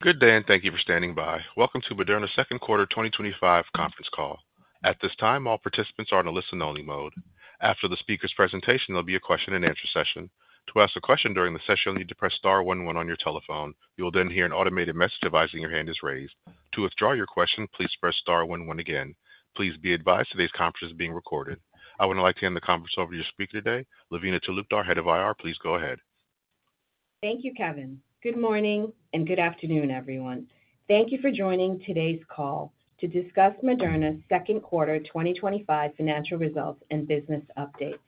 Good day and thank you for standing by. Welcome to Moderna Second Quarter 2025 Conference Call. At this time, all participants are in a listen only mode. After the speaker's presentation, there'll be a question and answer session. To ask a question during the session, you'll need to press star one, one on your telephone. You will then hear an automated message advising your hand is raised. To withdraw your question, please press star one, one again. Please be advised today's conference is being recorded. I would like to hand the conference over to your speaker today, Lavina Talukdar, Head of IR. Please go ahead. Thank you, Kevin. Good morning and good afternoon everyone. Thank you for joining today's call to discuss Moderna second quarter 2025 financial results and business updates.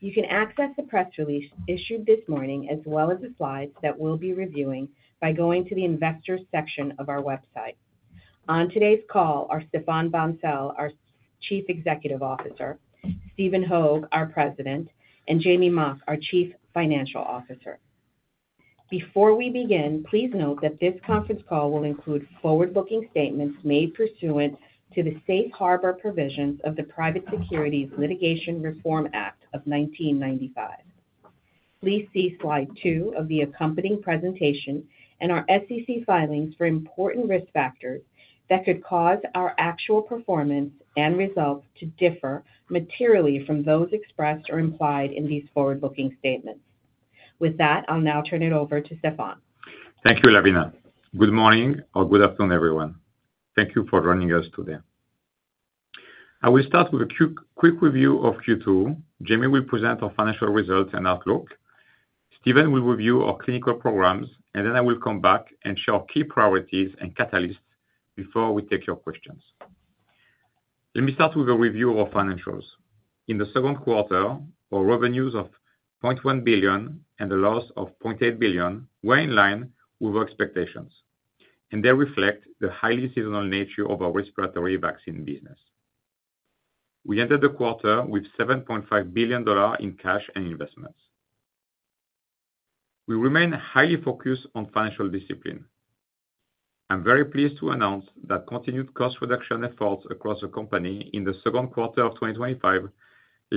You can access the press release issued this morning as well as the slides that we'll be reviewing by going to the investors section of our website. On today's call are Stéphane Bancel, our Chief Executive Officer, Stephen Hoge, our President, and Jamey Mock, our Chief Financial Officer. Before we begin, please note that this conference call will include forward looking statements made pursuant to the safe harbor provisions of the Private Securities Litigation Reform Act of 1995. Please see Slide 2 of the accompanying presentation and our SEC filings for important risk factors that could cause our actual performance and results to differ materially from those expressed or implied in these forward looking statements. With that, I'll now turn it over to Stéphane. Thank you, Lavina. Good morning or good afternoon everyone. Thank you for joining us today. I will start with a quick review of Q2. Jamey will present our financial results and outlook. Stephen will review our clinical programs, and then I will come back and share key priorities and catalysts before we take your questions. Let me start with a review of our financials. In the second quarter, our revenues of $100, 000 million and the loss of $800, 000 million were in line with our expectations, and they reflect the highly seasonal nature of our respiratory vaccine business. We ended the quarter with $7.5 billion in cash and investments. We remain highly focused on financial discipline. I'm very pleased to announce that continued cost reduction efforts across the company in the second quarter of 2025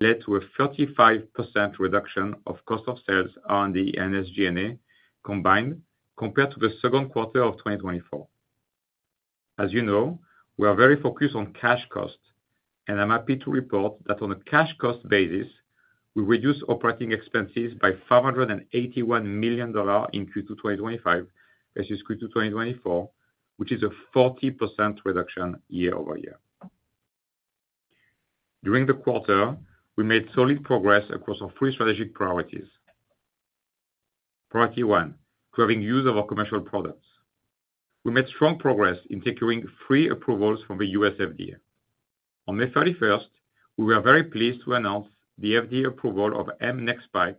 led to a 35% reduction of cost of sales, R&D, and SG&A combined compared to the second quarter of 2024. As you know, we are very focused on cash cost and I'm happy to report that on a cash cost basis we reduced operating expenses by $581 million in Q2 2025 versus Q2 2024, which is a 40% reduction year-over-year. During the quarter, we made solid progress across our three strategic priorities. Priority one, driving use of our commercial products. We made strong progress in securing three approvals from the U.S. FDA. On May 31st, we were very pleased to announce the FDA approval of mNEXSPIKE,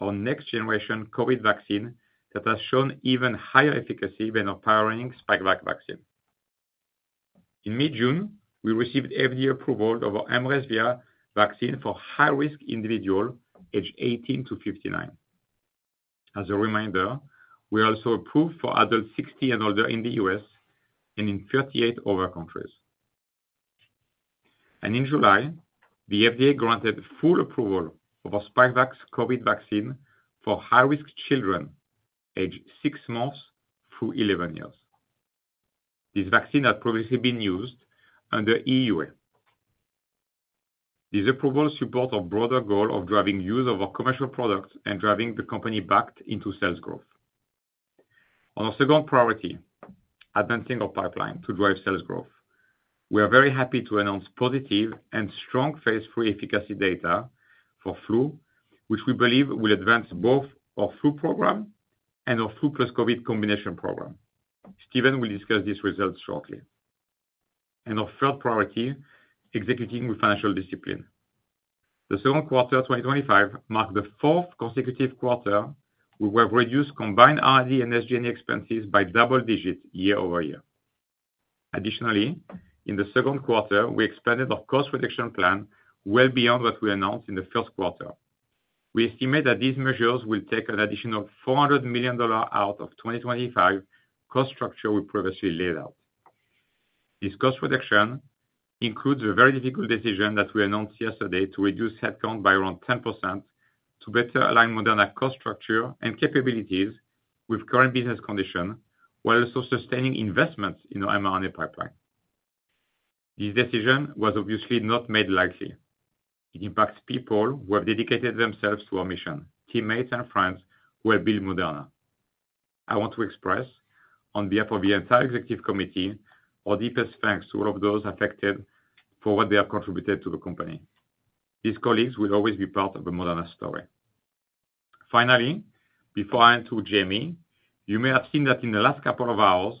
our next generation COVID vaccine that has shown even higher efficacy than our power running Spikevax vaccine. In mid-June, we received FDA approval of our mRESVIA vaccine for high risk individuals aged 18 to 59. As a reminder, we are also approved for adults 60 and older in the U.S. and in 38 other countries. In July, the FDA granted full approval of Spikevax COVID vaccine for high risk children aged 6 months through 11 years. This vaccine had previously been used under EUA. This approval supports our broader goal of driving use of our commercial products and driving the company back into sales growth. On our second priority, advancing our pipeline to drive sales growth. We are very happy to announce positive and strong Phase III efficacy data for flu, which we believe will advance both our flu program and our flu plus COVID combination program. Stephen will discuss these results shortly. Our third priority is executing with financial discipline. The second quarter 2025 marked the fourth consecutive quarter we have reduced combined R&D and SG&A expenses by double digit year-over-year. Additionally, in the second quarter we expanded our cost reduction plan well beyond what we announced in the first quarter. We estimate that these measures will take an additional $400 million out of 2025 cost structure we previously laid out. This cost reduction includes a very difficult decision that we announced yesterday to reduce headcount by around 10% to better align Moderna cost structure and capabilities with current business conditions while also sustaining investments in our mRNA pipeline. This decision was obviously not made lightly. It impacts people who have dedicated themselves to our mission, teammates and friends who have built Moderna. I want to express on behalf of the entire Executive Committee our deepest thanks to all of those affected for what they have contributed to the company. These colleagues will always be part of the Moderna story. Finally, before I hand to Jamey, you may have seen that in the last couple of hours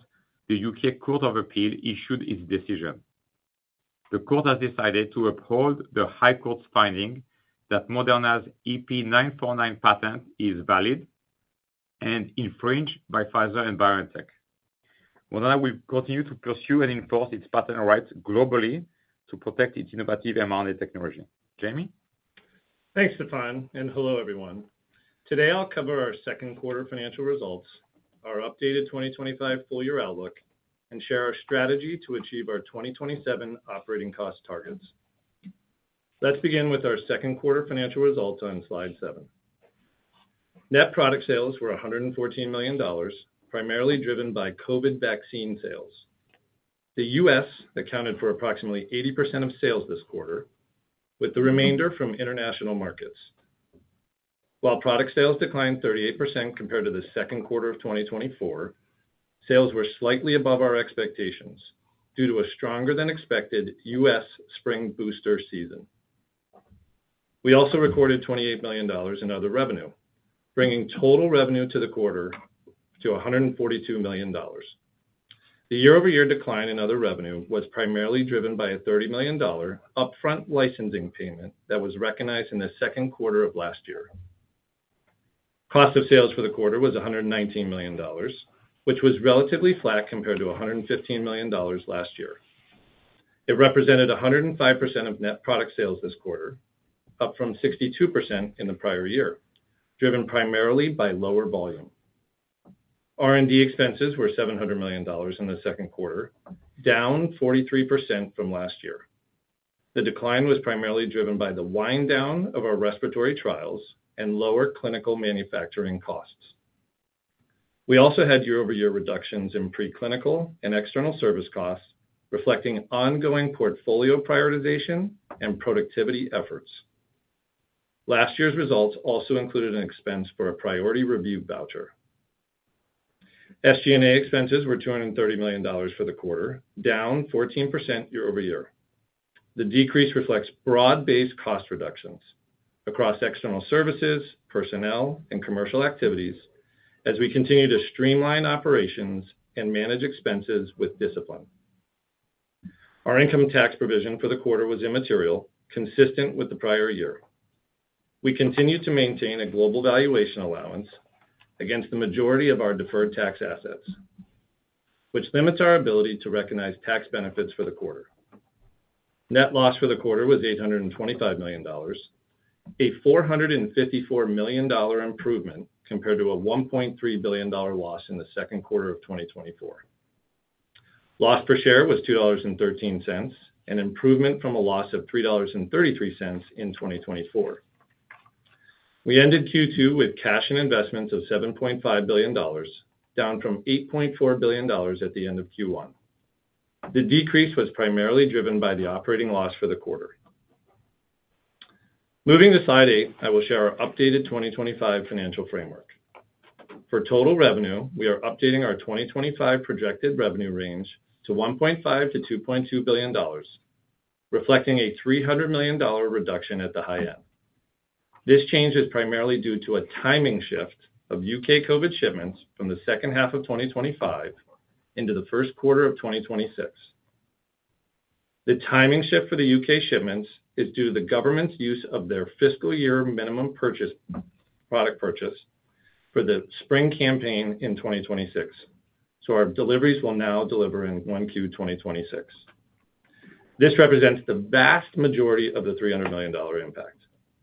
the U.K. Court of Appeal issued its decision. The Court has decided to uphold the High Court's finding that Moderna's EP'949 patent is valid and infringed by Pfizer and BioNTech. Moderna will continue to pursue and enforce its patent rights globally to protect its innovative mRNA technology. Jamey? Thanks Stéphane and hello everyone. Today I'll cover our second quarter financial results, our updated 2025 full year outlook, and share our strategy to achieve our 2027 operating cost targets. Let's begin with our second quarter financial results on Slide 7. Net product sales were $114 million, primarily driven by COVID vaccine sales. The U.S. accounted for approximately 80% of sales this quarter, with the remainder from international markets. While product sales declined 38% compared to the second quarter of 2024, sales were slightly above our expectations due to a stronger than expected U.S. spring booster season. We also recorded $28 million in other revenue, bringing total revenue for the quarter to $142 million. The year-over-year decline in other revenue was primarily driven by a $30 million upfront licensing payment that was recognized in the second quarter of last year. Cost of sales for the quarter was $119 million, which was relatively flat compared to $115 million last year. It represented 105% of net product sales this quarter, up from 62% in the prior year, driven primarily by lower volume. R&D expenses were $700 million in the second quarter, down 43% from last year. The decline was primarily driven by the wind down of our respiratory trials and lower clinical manufacturing costs. We also had year-over-year reductions in preclinical and external service costs, reflecting ongoing portfolio prioritization and productivity efforts. Last year's results also included an expense for a priority review voucher. SG&A expenses were $230 million for the quarter, down 14% year-over-year. The decrease reflects broad based cost reductions across external services, personnel, and commercial activities as we continue to streamline operations and manage expenses with discipline. Our income tax provision for the quarter was immaterial, consistent with the prior year. We continue to maintain a global valuation allowance against the majority of our deferred tax assets, which limits our ability to recognize tax benefits for the quarter. Net loss for the quarter was $825 million, a $454 million improvement compared to a $1.3 billion loss in the second quarter of 2024. Loss per share was $2.13, an improvement from a loss of $3.33 in 2024. We ended Q2 with cash and investments of $7.5 billion, down from $8.4 billion at the end of Q1. The decrease was primarily driven by the operating loss for the quarter. Moving to Slide 8, I will share our updated 2025 financial framework for total revenue. We are updating our 2025 projected revenue range to $1.5 billion-$2.2 billion, reflecting a $300 million reduction at the high end. This change is primarily due to a timing shift of U.K. COVID shipments from the second half of 2025 into the first quarter of 2026. The timing shift for the U.K. shipments is due to the Government's use of their fiscal year minimum purchase product purchase for the spring campaign in 2026, so our deliveries will now deliver in Q1 2026. This represents the vast majority of the $300 million impact.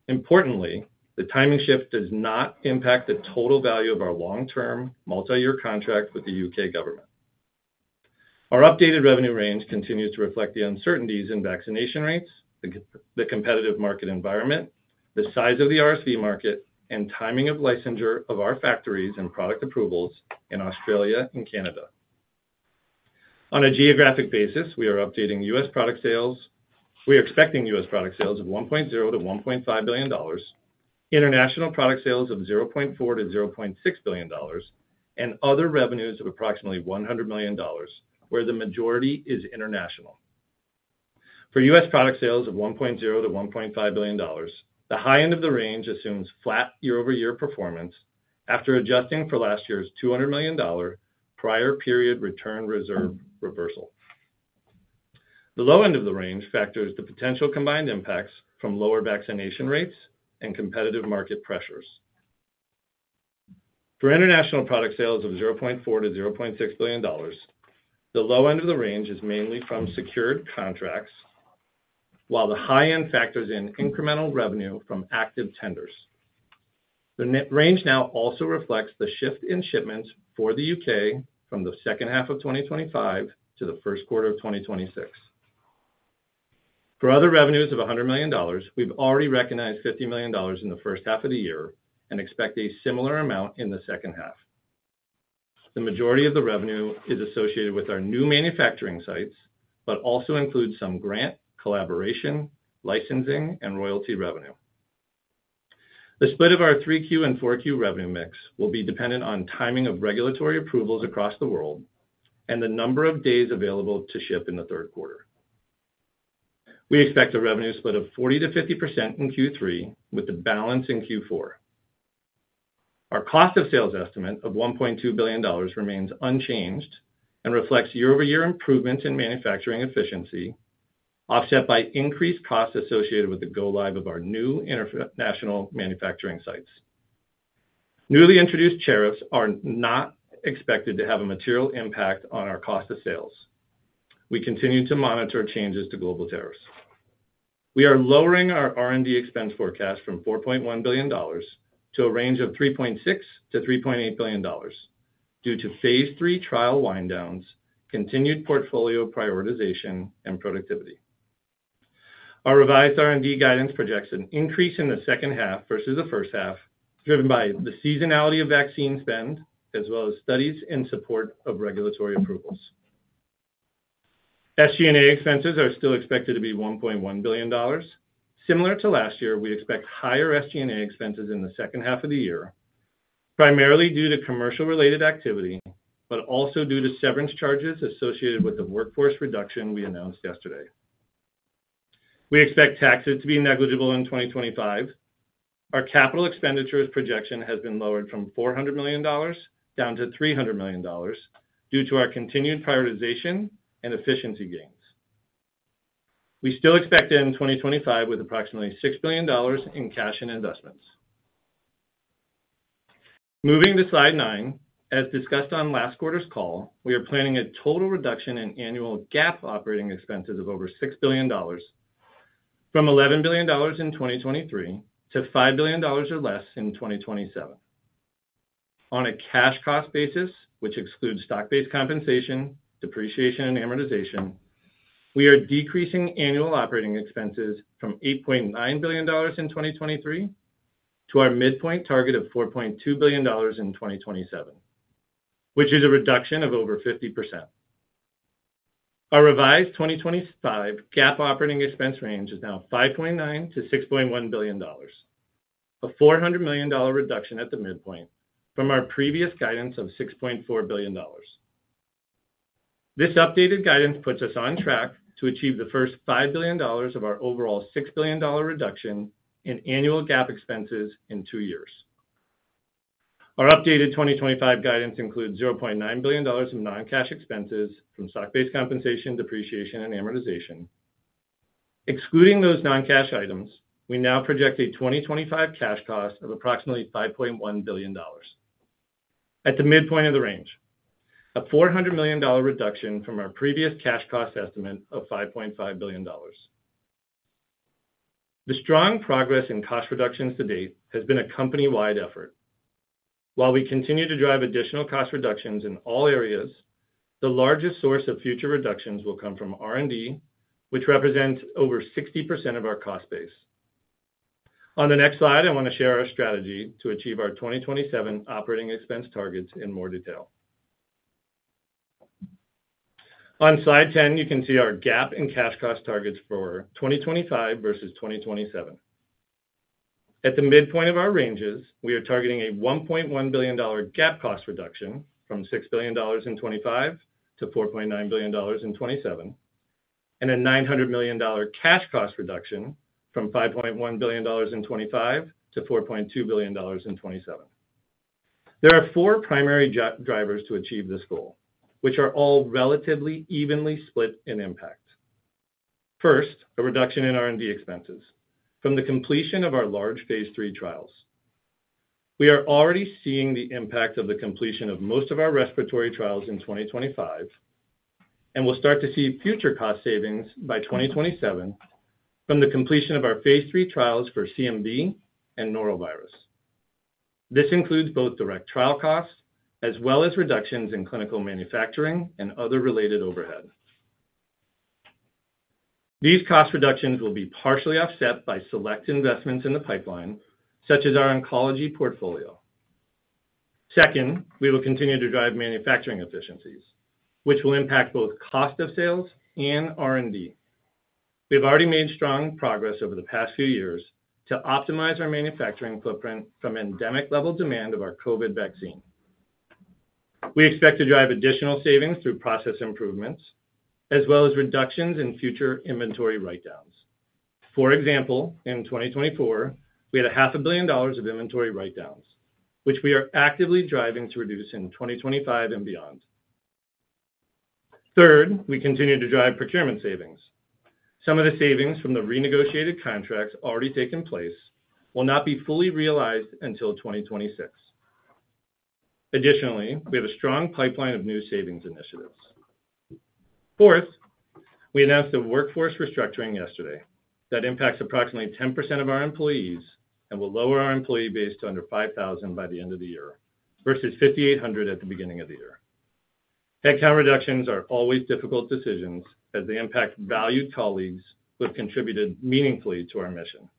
Importantly, the timing shift does not impact the total value of our long-term multi-year contract with the U.K. Government. Our updated revenue range continues to reflect the uncertainties in vaccination rates, the competitive market environment, the size of the RSV market, and timing of licensure of our factories and product approvals in Australia and Canada. On a geographic basis, we are updating U.S. product sales. We are expecting U.S. product sales of $1.0 billion-$1.5 billion, international product sales of $400, 000 million-$600, 000 million, and other revenues of approximately $100 million where the majority is international. For U.S. product sales of $1.0 billion-$1.5 billion, the high end of the range assumes flat year-over-year performance after adjusting for last year's $200 million prior period return reserve reversal. The low end of the range factors the potential combined impacts from lower vaccination rates and competitive market. For international product sales of $400, 000 million-$600, 000 million, the low end of the range is mainly from secured contracts, while the high end factors in incremental revenue from active tenders. The range now also reflects the shift in shipments for the U.K. from the second half of 2025 to the first quarter of 2026. For other revenues of $100 million, we've already recognized $50 million in the first half of the year and expect a similar amount in the second half. The majority of the revenue is associated with our new manufacturing sites but also includes some grant, collaboration, licensing, and royalty revenue. The split of our Q3 and Q4 revenue mix will be dependent on timing of regulatory approvals across the world and the number of days available to ship. In the third quarter, we expect a revenue split of 40%-50% in Q3 with the balance in Q4. Our cost of sales estimate of $1.2 billion remains unchanged and reflects year-over-year improvements in manufacturing efficiency, offset by increased costs associated with the go-live of our new international manufacturing sites. Newly introduced tariffs are not expected to have a material impact on our cost of sales. We continue to monitor changes to global tariffs. We are lowering our R&D expense forecast from $4.1 billion to a range of $3.6 billion-$3.8 billion due to Phase III trial wind-downs, continued portfolio prioritization, and productivity. Our revised R&D guidance projects an increase in the second half versus the first half, driven by the seasonality of vaccine spend as well as studies in support of regulatory approvals. SG&A expenses are still expected to be $1.1 billion. Similar to last year, we expect higher SG&A expenses in the second half of the year, primarily due to commercial-related activity but also due to severance charges associated with the workforce reduction we announced yesterday. We expect taxes to be negligible in 2025. Our capital expenditures projection has been lowered from $400 million down to $300 million due to our continued prioritization and efficiency gains. We still expect in 2025 to have approximately $6 billion in cash and investments. Moving to Slide 9 as discussed on last quarter's call, we are planning a total reduction in annual GAAP operating expenses of over $6 billion from $11 billion in 2023 to $5 billion or less in 2027 on a cash cost basis, which excludes stock-based compensation, depreciation, and amortization. We are decreasing annual operating expenses from $8.9 billion in 2023 to our midpoint target of $4.2 billion in 2027, which is a reduction of over 50%. Our revised 2025 GAAP operating expense range is now $5.9 billion-$6.1 billion, a $400 million reduction at the midpoint from our previous guidance of $6.4 billion. This updated guidance puts us on track to achieve the first $5 billion of our overall $6 billion reduction in annual GAAP expenses in two years. Our updated 2025 guidance includes $90,000 million of non-cash expenses from stock-based compensation, depreciation, and amortization. Excluding those non-cash items, we now project a 2025 cash cost of approximately $5.1 billion at the midpoint of the range, a $400 million reduction from our previous cash cost estimate of $5.5 billion. The strong progress in cost reductions to date has been a company-wide effort while we continue to drive additional cost reductions in all areas. The largest source of future reductions will come from R&D, which represents over 60% of our cost base. On the next slide, I want to share our strategy to achieve our 2027 operating expense targets in more detail. On Slide 10 you can see our GAAP and cash cost targets for 2025 versus 2027. At the midpoint of our ranges, we are targeting a $1.1 billion GAAP cost reduction from $6 billion in 2025 to $4.9 billion in 2027 and a $900 million cash cost reduction from $5.1 billion in 2025 to $4.2 billion in 2027. There are four primary drivers to achieve this goal, which are all relatively evenly split in impact. First, a reduction in R&D expenses from the completion of our large Phase III trials. We are already seeing the impact of the completion of most of our respiratory trials in 2025 and we'll start to see future cost savings by 2027 from the completion of our Phase III trials for CMV and norovirus. This includes both direct trial costs as well as reductions in clinical manufacturing and other related overhead. These cost reductions will be partially offset by select investments in the pipeline, such as our oncology portfolio. Second, we will continue to drive manufacturing efficiencies, which will impact both cost of sales and R&D. We have already made strong progress over the past few years to optimize our manufacturing footprint from endemic level demand of our COVID vaccine. We expect to drive additional savings through process improvements as well as reductions in future inventory write-downs. For example, in 2024 we had $500,000 million of inventory write-downs which we are actively driving to reduce in 2025 and beyond. Third, we continue to drive procurement savings. Some of the savings from the renegotiated contracts already taken place will not be fully realized until 2026. Additionally, we have a strong pipeline of new savings initiatives. Fourth, we announced a workforce restructuring yesterday that impacts approximately 10% of our employees and will lower our employee base to under 5,000 by the end of the year versus 5,800 at the beginning of the year. Headcount reductions are always difficult decisions as they impact valued colleagues who have contributed meaningfully to our mission.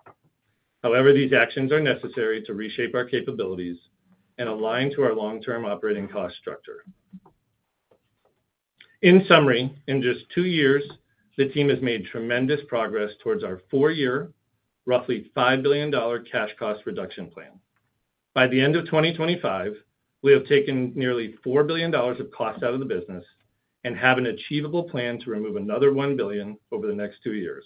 However, these actions are necessary to reshape our capabilities and align to our long-term operating cost structure. In summary, in just two years the team has made tremendous progress towards our four-year, roughly $5 billion cash cost reduction plan by the end of 2025. We have taken nearly $4 billion of cost out of the business and have an achievable plan to remove another $1 billion over the next two years.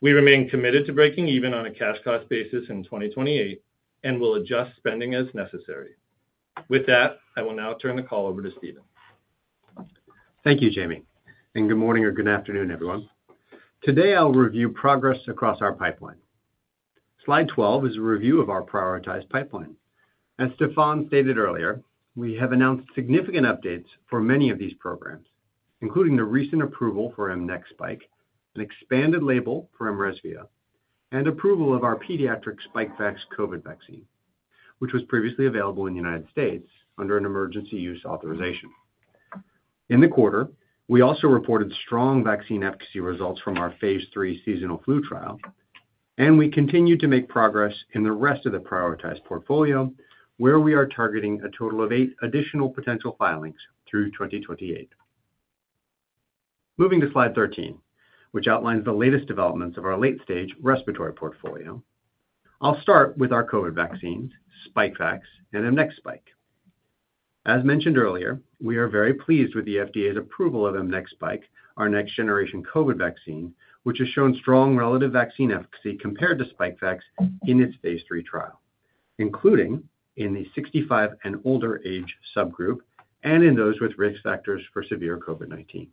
We remain committed to breaking even on a cash cost basis in 2028 and will adjust spending as necessary. With that, I will now turn the call over to Stephen. Thank you Jamey and good morning or good afternoon everyone. Today I'll review progress across our pipeline. Slide 12 is a review of our prioritized pipeline. As Stéphane stated earlier, we have announced significant updates for many of these programs, including the recent approval for mNEXSPIKE, an expanded label for mRESVIA, and approval of our pediatric Spikevax COVID vaccine, which was previously available in the U.S. under an emergency use authorization. In the quarter, we also reported strong vaccine efficacy results from our Phase III seasonal flu trial, and we continue to make progress in the rest of the prioritized portfolio where we are targeting a total of eight additional potential filings through 2028. Moving to Slide 13, which outlines the latest developments of our late-stage respiratory portfolio, I'll start with our COVID vaccines, Spikevax and mNEXSPIKE. As mentioned earlier, we are very pleased with the FDA's approval of mNEXSPIKE, our next-generation COVID vaccine, which has shown strong relative vaccine efficacy compared to Spikevax in its Phase III trial, including in the 65 and older age subgroup and in those with risk factors for severe COVID-19.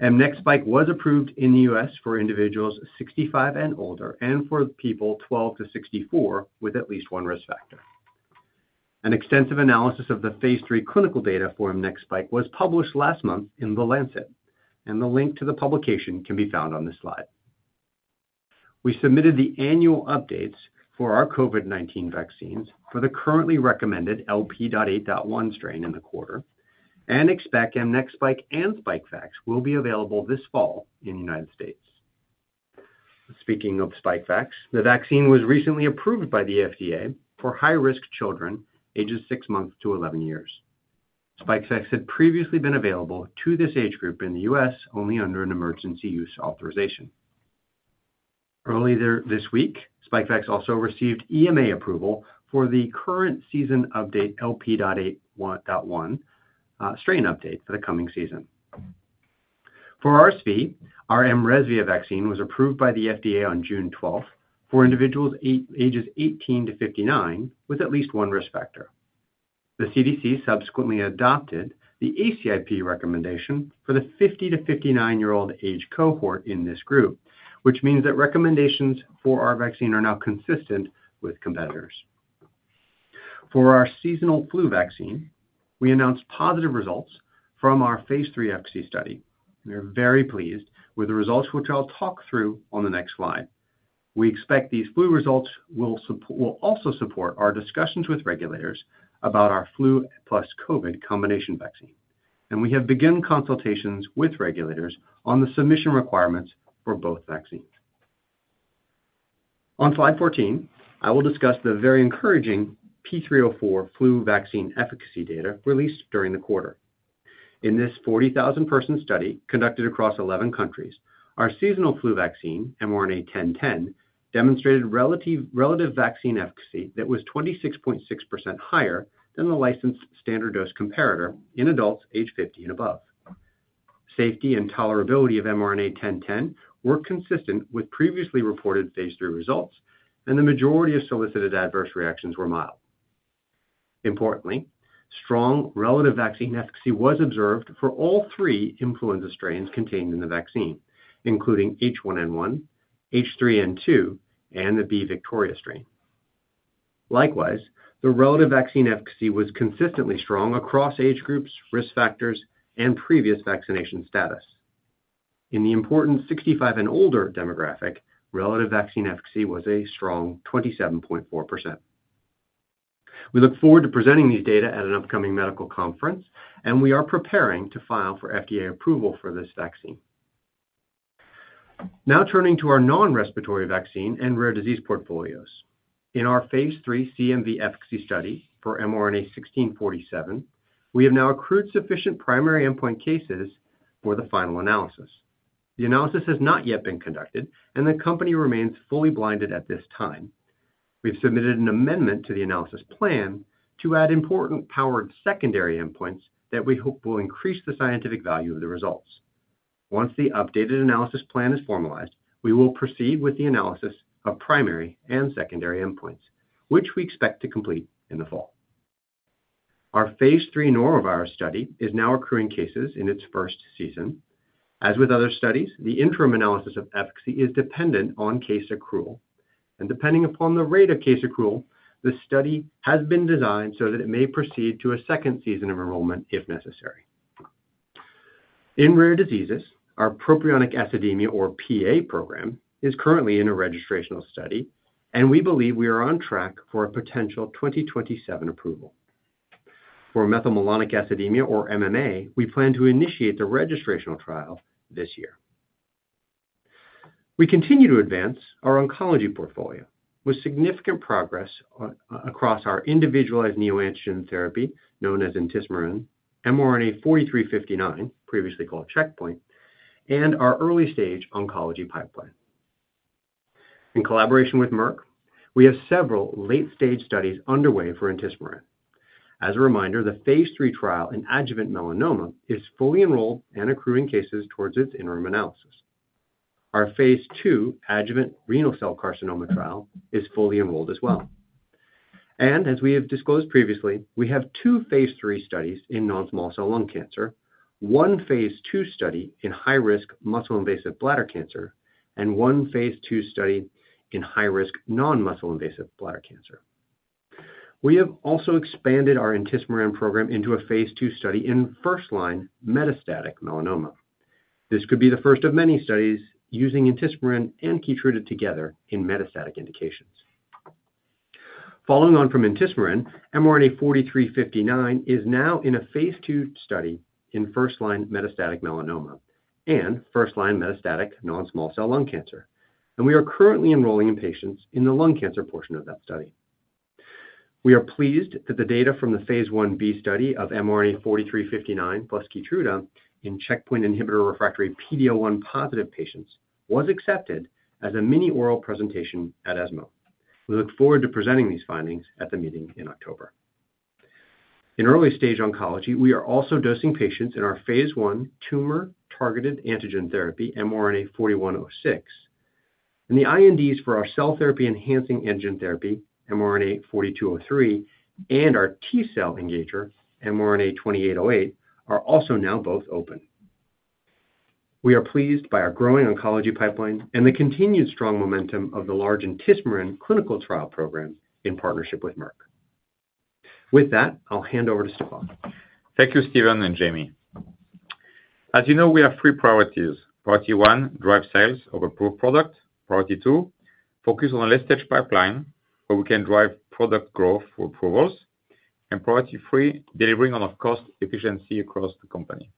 mNEXSPIKE was approved in the U.S. for individuals 65 and older and for people 12 to 64 with at least one risk factor. An extensive analysis of the Phase III clinical data for mNEXSPIKE was published last month in The Lancet and the link to the publication can be found on this slide. We submitted the annual updates for our COVID-19 vaccines for the currently recommended LP.8.1 strain in the quarter and expect mNEXSPIKE and Spikevax will be available this fall in the U.S. Speaking of Spikevax, the vaccine was recently approved by the FDA for high-risk children ages 6 months to 11 years. Spikevax had previously been available to this age group in the U.S. only under an emergency use authorization. Earlier this week, Spikevax also received EMA approval for the current season update LP.8.1 strain update for the coming season. For RSV, our mRESVIA vaccine was approved by the FDA on June 12th for individuals ages 18 to 59 with at least one risk factor. The CDC subsequently adopted the ACIP recommendation for the 50 to 59 year old age cohort in this group, which means that recommendations for our vaccine are now consistent with competitors. For our seasonal flu vaccine, we announced positive results from our Phase III efficacy study. We are very pleased with the results, which I'll talk through on the next slide. We expect these flu results will also support our discussions with regulators about our flu COVID combination vaccine, and we have begun consultations with regulators on the submission requirements for both vaccines. On Slide 14, I will discuss the very encouraging P304 flu vaccine efficacy data released during the quarter. In this 40,000 person study conducted across 11 countries, our seasonal flu vaccine mRNA-1010 demonstrated relative vaccine efficacy that was 26.6% higher than the licensed standard dose comparator in adults age 50 and above. Safety and tolerability of mRNA-1010 were consistent with previously reported Phase III results, and the majority of solicited adverse reactions were mild. Importantly, strong relative vaccine efficacy was observed for all three influenza strains contained in the vaccine, including H1N1, H3N2, and the B/Victoria strain. Likewise, the relative vaccine efficacy was consistently strong across age groups, risk factors, and previous vaccination status. In the important 65 and older demographic, relative vaccine efficacy was a strong 27.4%. We look forward to presenting these data at an upcoming medical conference, and we are preparing to file for FDA approval for this vaccine. Now turning to our non-respiratory vaccine and rare disease portfolios, in our Phase III CMV efficacy study for mRNA-1647, we have now accrued sufficient primary endpoint cases for the final analysis. The analysis has not yet been conducted, and the company remains fully blinded at this time. We've submitted an amendment to the analysis plan to add important powered secondary endpoints that we hope will increase the scientific value of the results. Once the updated analysis plan is formalized, we will proceed with the analysis of primary and secondary endpoints, which we expect to complete in the fall. Our Phase III norovirus study is now accruing cases in its first season. As with other studies, the interim analysis of efficacy is dependent on case accrual, and depending upon the rate of case accrual, the study has been designed so that it may proceed to a second season of enrollment if necessary. In rare diseases, our propionic acidemia, or PA, program is currently in a registrational study, and we believe we are on track for a potential 2027 approval. For methylmalonic acidemia, or MMA, we plan to initiate the registrational trial this year. We continue to advance our oncology portfolio with significant progress across our Individualized Neoantigen Therapy known as Intismeran, mRNA-4157, previously called checkpoint, and our early stage oncology pipeline. In collaboration with Merck, we have several late-stage studies underway for Intismeran. As a reminder, the Phase III trial in adjuvant melanoma is fully enrolled and accruing cases towards its interim analysis. Our Phase II adjuvant renal cell carcinoma trial is fully enrolled as well, and as we have disclosed previously, we have two Phase III studies in non-small cell lung cancer, one Phase II study in high-risk muscle invasive bladder cancer, and one Phase II study in high-risk non-muscle invasive bladder cancer. We have also expanded our Intismeran program into a Phase II study in first-line metastatic melanoma. This could be the first of many studies using Intismeran and KEYTRUDA together in metastatic indications. Following on from Intismeran, mRNA-4359 is now in a Phase II study in first-line metastatic melanoma and first-line metastatic non-small cell lung cancer, and we are currently enrolling patients in the lung cancer portion of that study. We are pleased that the data from the Phase IB study of mRNA-4359/KEYTRUDA in checkpoint inhibitor refractory PD-L1 positive patients was accepted as a mini oral presentation at ESMO. We look forward to presenting these findings at the meeting in October. In early stage oncology, we are also dosing patients in our Phase I tumor targeted antigen therapy, mRNA-4106, and the INDs for our cell therapy enhancing antigen therapy, mRNA-4203, and our T cell engager, mRNA-2808, are also now both open. We are pleased by our growing oncology pipeline and the continued strong momentum of the large Intismeran clinical trial program in partnership with Merck. With that, I'll hand over to Stéphane. Thank you, Stephen and Jamey. As you know, we have three priorities. Priority one, drive sales of approved product. Priority two, focus on a late-stage pipeline where we can drive product growth for approvals, and priority three, delivering on our cost efficiency across the company.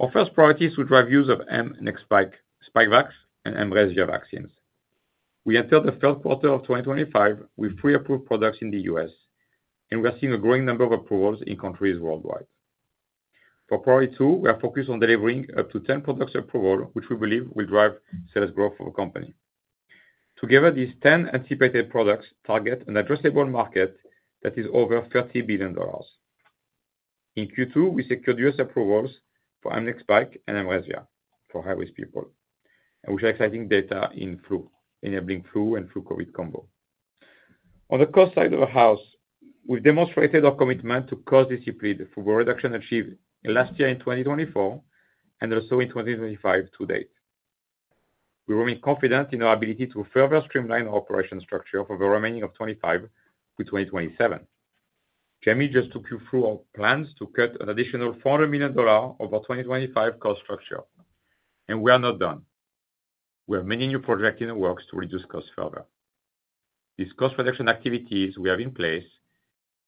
Our first priority is to drive use of mNEXSPIKE, Spikevax, and mRESVIA vaccines. We entered the third quarter of 2025 with pre-approved products in the U.S., and we are seeing a growing number of approvals in countries worldwide. For priority two, we are focused on delivering up to 10 products approval, which we believe will drive sales growth for the company. Together, these 10 anticipated products target an addressable market that is over $30 billion. In Q2, we secured U.S. approvals for mNEXSPIKE and mRESVIA for high-risk people, and we share exciting data in flu enabling flu and flu COVID combo. On the cost side of the house, we've demonstrated our commitment to cost discipline through the reduction achieved last year in 2024 and also in 2025 to date. We remain confident in our ability to further streamline our operation structure for the remaining of 2025 to 2027. Jamey just took you through our plans to cut an additional $400 million off our 2025 cost structure, and we are not done. We have many new projects in the works to reduce costs further. These cost reduction activities we have in place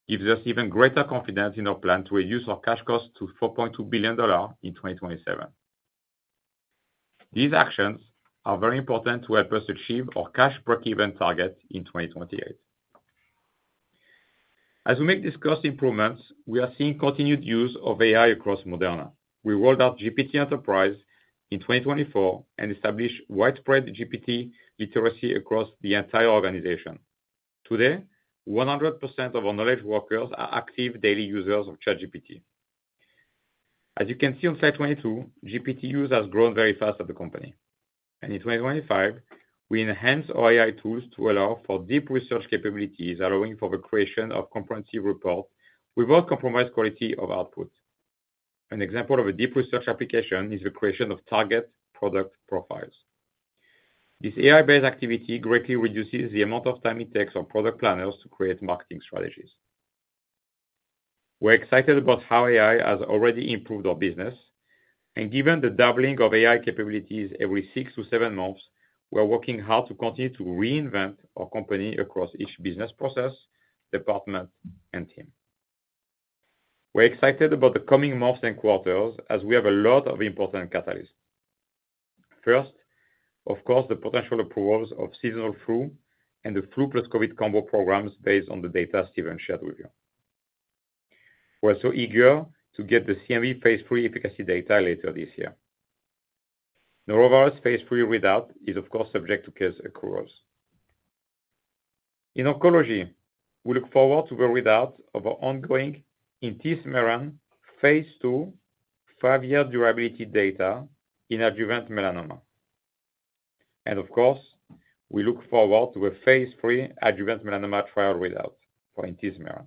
give us even greater confidence in our plan to reduce our cash cost to $4.2 billion in 2027. These actions are very important to help us achieve our cash break-even target in 2028. As we make these cost improvements, we are seeing continued use of AI across Moderna. We rolled out GPT Enterprise in 2024 and established widespread GPT literacy across the entire organization. Today, 100% of our knowledge workers are active daily users of ChatGPT. As you can see on Slide 22, GPT use has grown very fast at the company, and in 2025 we enhanced our AI tools to allow for deep research capabilities, allowing for the creation of comprehensive reports without compromised quality of output. An example of a deep research application is the creation of target product profiles. This AI-based activity greatly reduces the amount of time it takes on product planners to create marketing strategies. We're excited about how AI has already improved our business, and given the doubling of AI capabilities every six to seven months, we're working hard to continue to reinvent our company across each business process, department, and team. We're excited about the coming months and quarters as we have a lot of important catalysts. First, of course, the potential approvals of seasonal flu and the flu plus COVID combo programs based on the data Stephen shared with you. We're so eager to get the CMV Phase III efficacy data later this year. Norovirus Phase III readout is, of course, subject to case accruals. In Oncology, we look forward to the readout of our ongoing Intismeran Phase II five-year durability data in adjuvant melanoma. Of course, we look forward to a Phase III adjuvant melanoma trial readout for Intismeran.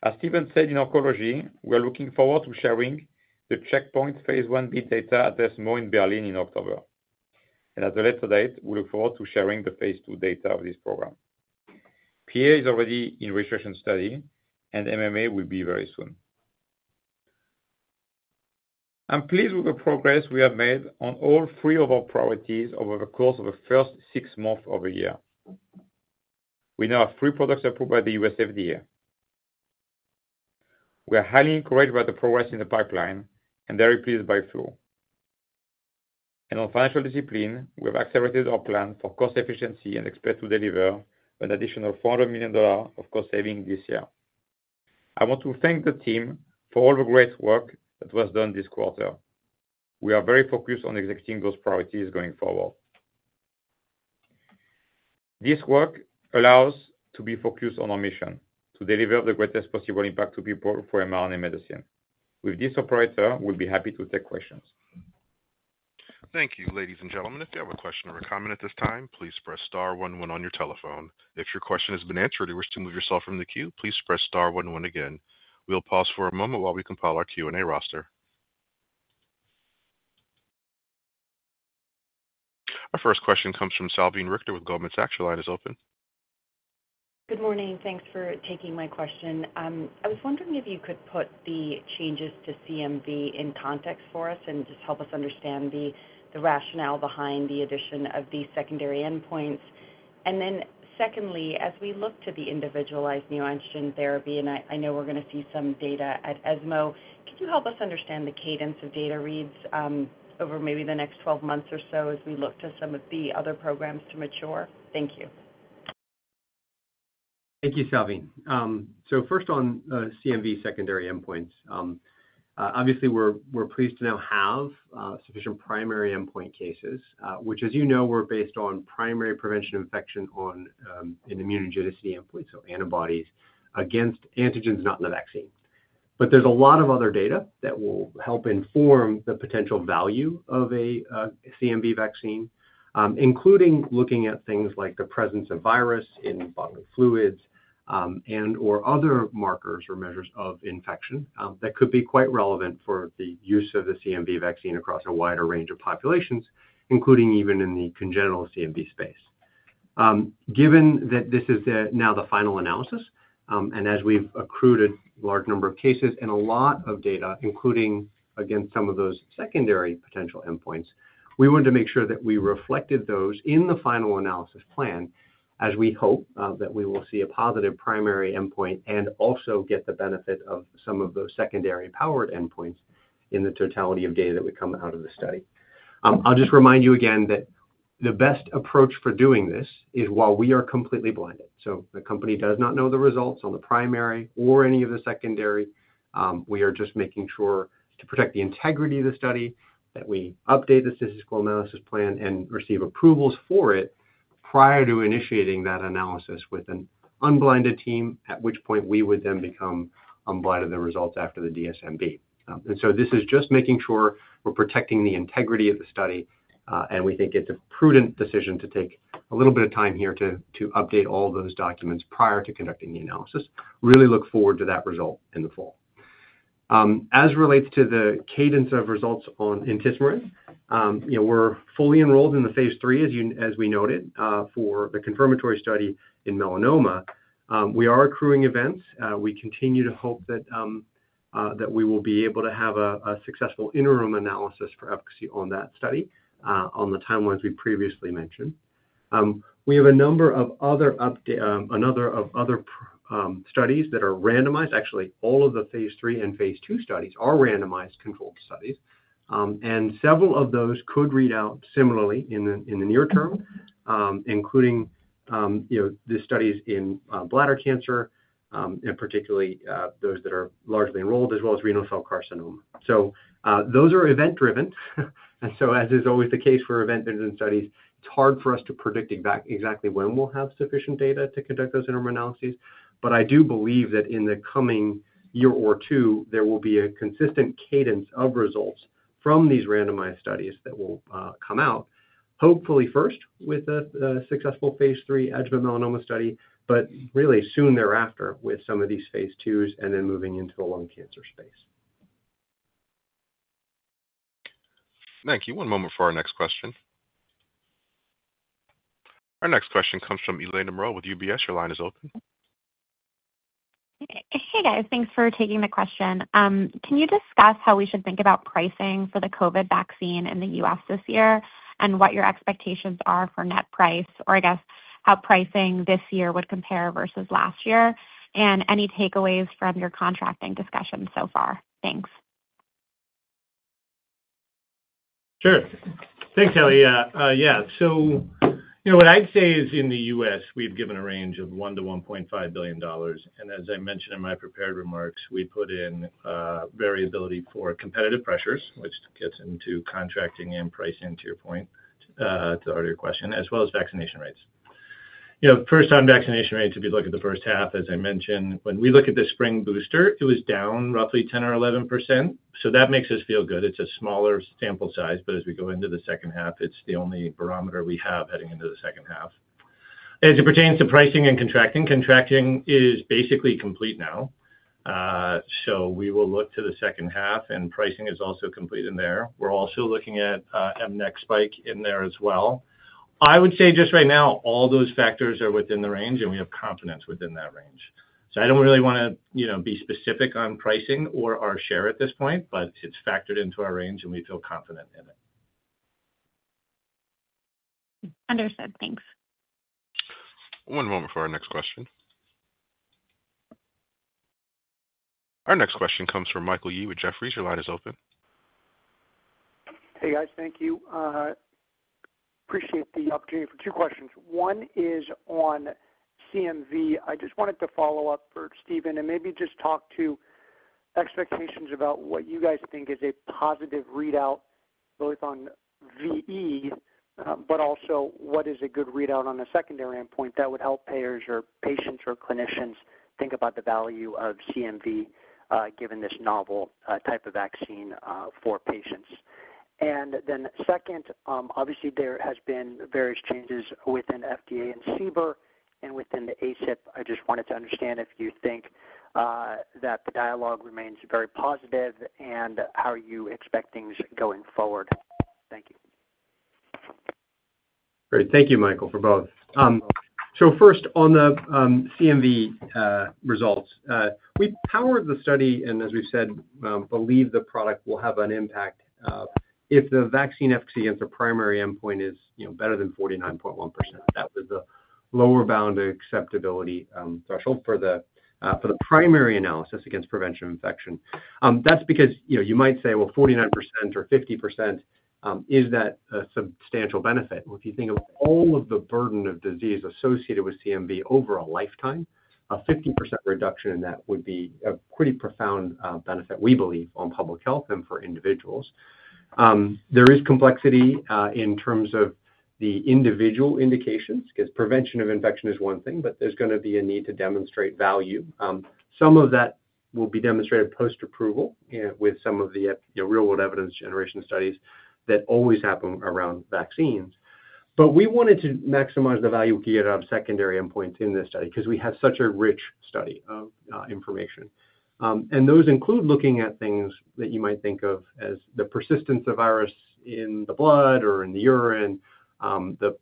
As Stephen said, in Oncology, we are looking forward to sharing the checkpoint Phase IB data at ESMO in Berlin in October, and at a later date we look forward to sharing the Phase II data of this program. PA is already in research and study, and MMA will be very soon. I'm pleased with the progress we have made on all three of our priorities over the course of the first six months of the year. We now have three products approved by the FDA. We are highly encouraged by the progress in the pipeline and very pleased by flow and on financial discipline. We have accelerated our plan for cost efficiency and expect to deliver an additional $400 million of cost saving this year. I want to thank the team for all the great work that was done this quarter. We are very focused on executing those priorities going forward. This work allows us to be focused on our mission to deliver the greatest possible impact to people for mRNA medicine. With this, operator, we'll be happy to take questions. Thank you, ladies and gentlemen. If you have a question or a comment at this time, please press star one, one on your telephone. If your question has been answered or wish to move yourself from the queue, please press star one, one again. We'll pause for a moment while we compile our Q&A roster. Our first question comes from Salveen Richter with Goldman Sachs. Line is open. Good morning. Thanks for taking my question. I was wondering if you could put the changes to CMV in context for us and just help us understand the rationale behind the addition of these secondary endpoints. Secondly, as we look to the Individualized Neoantigen Therapy, and I know we're going to see some data at ESMO, can you help us understand the cadence of data reads over maybe the next 12 months or so as we look to some of the other programs to mature? Thank you. Thank you, Salveen. First on CMV secondary endpoints. Obviously we're pleased to now have sufficient primary endpoint cases, which as you know, were based on primary prevention infection on an immunogenicity endpoint. Antibodies against antigens not in the vaccine, but there's a lot of other data that will help inform the potential value of a CMV vaccine, including looking at things like the presence of virus in bodily fluids and or other markers or measures of infection that could be quite relevant for the use of the CMV vaccine across a wider range of populations, including even in the congenital CMV space. Given that this is now the final analysis and as we've accrued a large number of cases and a lot of data, including again some of those secondary potential endpoints, we wanted to make sure that we reflected those in the final analysis plan as we hope that we will see a positive primary endpoint and also get the benefit of some of those secondary powered endpoints in the totality of data that would come out of the study. I'll just remind you again that the best approach for doing this is while we are completely blinded so the company does not know the results on the primary or any of the secondary. We are just making sure to protect the integrity of the study that we update the statistical analysis plan and receive approvals for it prior to initiating that analysis with an unblinded team, at which point we would then become unblinded to the results after the DSMB. This is just making sure we're protecting the integrity of the study. We think it's a prudent decision to take a little bit of time here to update all those documents prior to conducting the analysis. Really look forward to that result in the fall. As relates to the cadence of results on Intismeran, we're fully enrolled in the Phase III, as we noted for the confirmatory study in melanoma, we are accruing events. We continue to hope that we will be able to have a successful interim analysis for efficacy on that study. On the timelines we previously mentioned, we have a number of other studies that are randomized. Actually all of the Phase III and Phase II studies are randomized controlled studies. Several of those could read out similarly in the near term, including the studies in bladder cancer and particularly those that are largely enrolled, as well as renal cell carcinoma. Those are event driven. As is always the case for event driven studies, it's hard for us to predict exactly when we'll have sufficient data to conduct those interim analyses. I do believe that in the coming year or two, there will be a consistent cadence of results from these randomized studies that will come out, hopefully first with a successful Phase III adjuvant melanoma study, and really soon thereafter with some of these Phase IIs and then moving into the lung cancer space. Thank you. One moment for our next question. Our next question comes from Ellie Merle with UBS. Your line is open. Hey guys, thanks for taking the question. Can you discuss how we should think about pricing for the COVID vaccine in the U.S. this year and what your expectations are for net price or I guess how pricing this year would compare versus last year and any takeaways from your contracting discussion so far? Thanks. Sure. Thanks, Ellie. Yes, what I'd say is in the U.S. we've given a range of $1 billion-$1.5 billion. As I mentioned in my prepared remarks, we put in variability for competitive pressures, which gets into contracting and pricing, to your point, to your question, as well as vaccination rates, you know, first-time vaccination rates. If you look at the first half, as I mentioned, when we look at the spring booster, it was down roughly 10% or 11%. That makes us feel good. It's a smaller sample size, but as we go into the second half, it's the only barometer we have heading into the second half as it pertains to pricing and contracting. Contracting is basically complete now, so we will look to the second half, and pricing is also complete in there. We're also looking at mNEXSPIKE in there as well. I would say just right now all those factors are within the range, and we have confidence within that range. I don't really want to be specific on pricing or our share at this point, but it's factored into our range, and we feel confident in it. Understood. Thanks. One moment for our next question. Our next question comes from Michael Yee with Jefferies. Your line is open. Hey guys, thank you. Appreciate the opportunity for two questions. One is on CMV. I just wanted to follow up for Stephen and maybe just talk to expectations about what you guys think is a positive readout both on VE, but also what is a good readout on a secondary endpoint that would help payers or patients or clinicians think about the value of CMV given this novel type of vaccine for patients. Second, obviously there have been various changes within FDA and CBER and within the ACIP. I just wanted to understand if you think that the dialogue remains very positive and how you expect things going forward. Thank you. Great. Thank you, Michael, for both. First, on the CMV results, we powered the study and as we've said, believe the product will have an impact if the vaccine efficacy as the primary endpoint is better than 49.1%. That was the lower bound acceptability threshold for the primary analysis against prevention of infection. That's because you might say, 49% or 50%. Is that a substantial benefit? If you think of all of the burden of disease associated with CMV over a lifetime, a 50% reduction in that would be a pretty profound benefit. We believe on public health and for individuals there is complexity in terms of the individual indications because prevention of infection is one thing, but there's going to be a need to demonstrate value. Some of that will be demonstrated post approval with some of the real world evidence generation studies that always happen around vaccines. We wanted to maximize the value created out of secondary endpoints in this study because we have such a rich study of information. Those include looking at things that you might think of as the persistence of virus in the blood or in the urine, the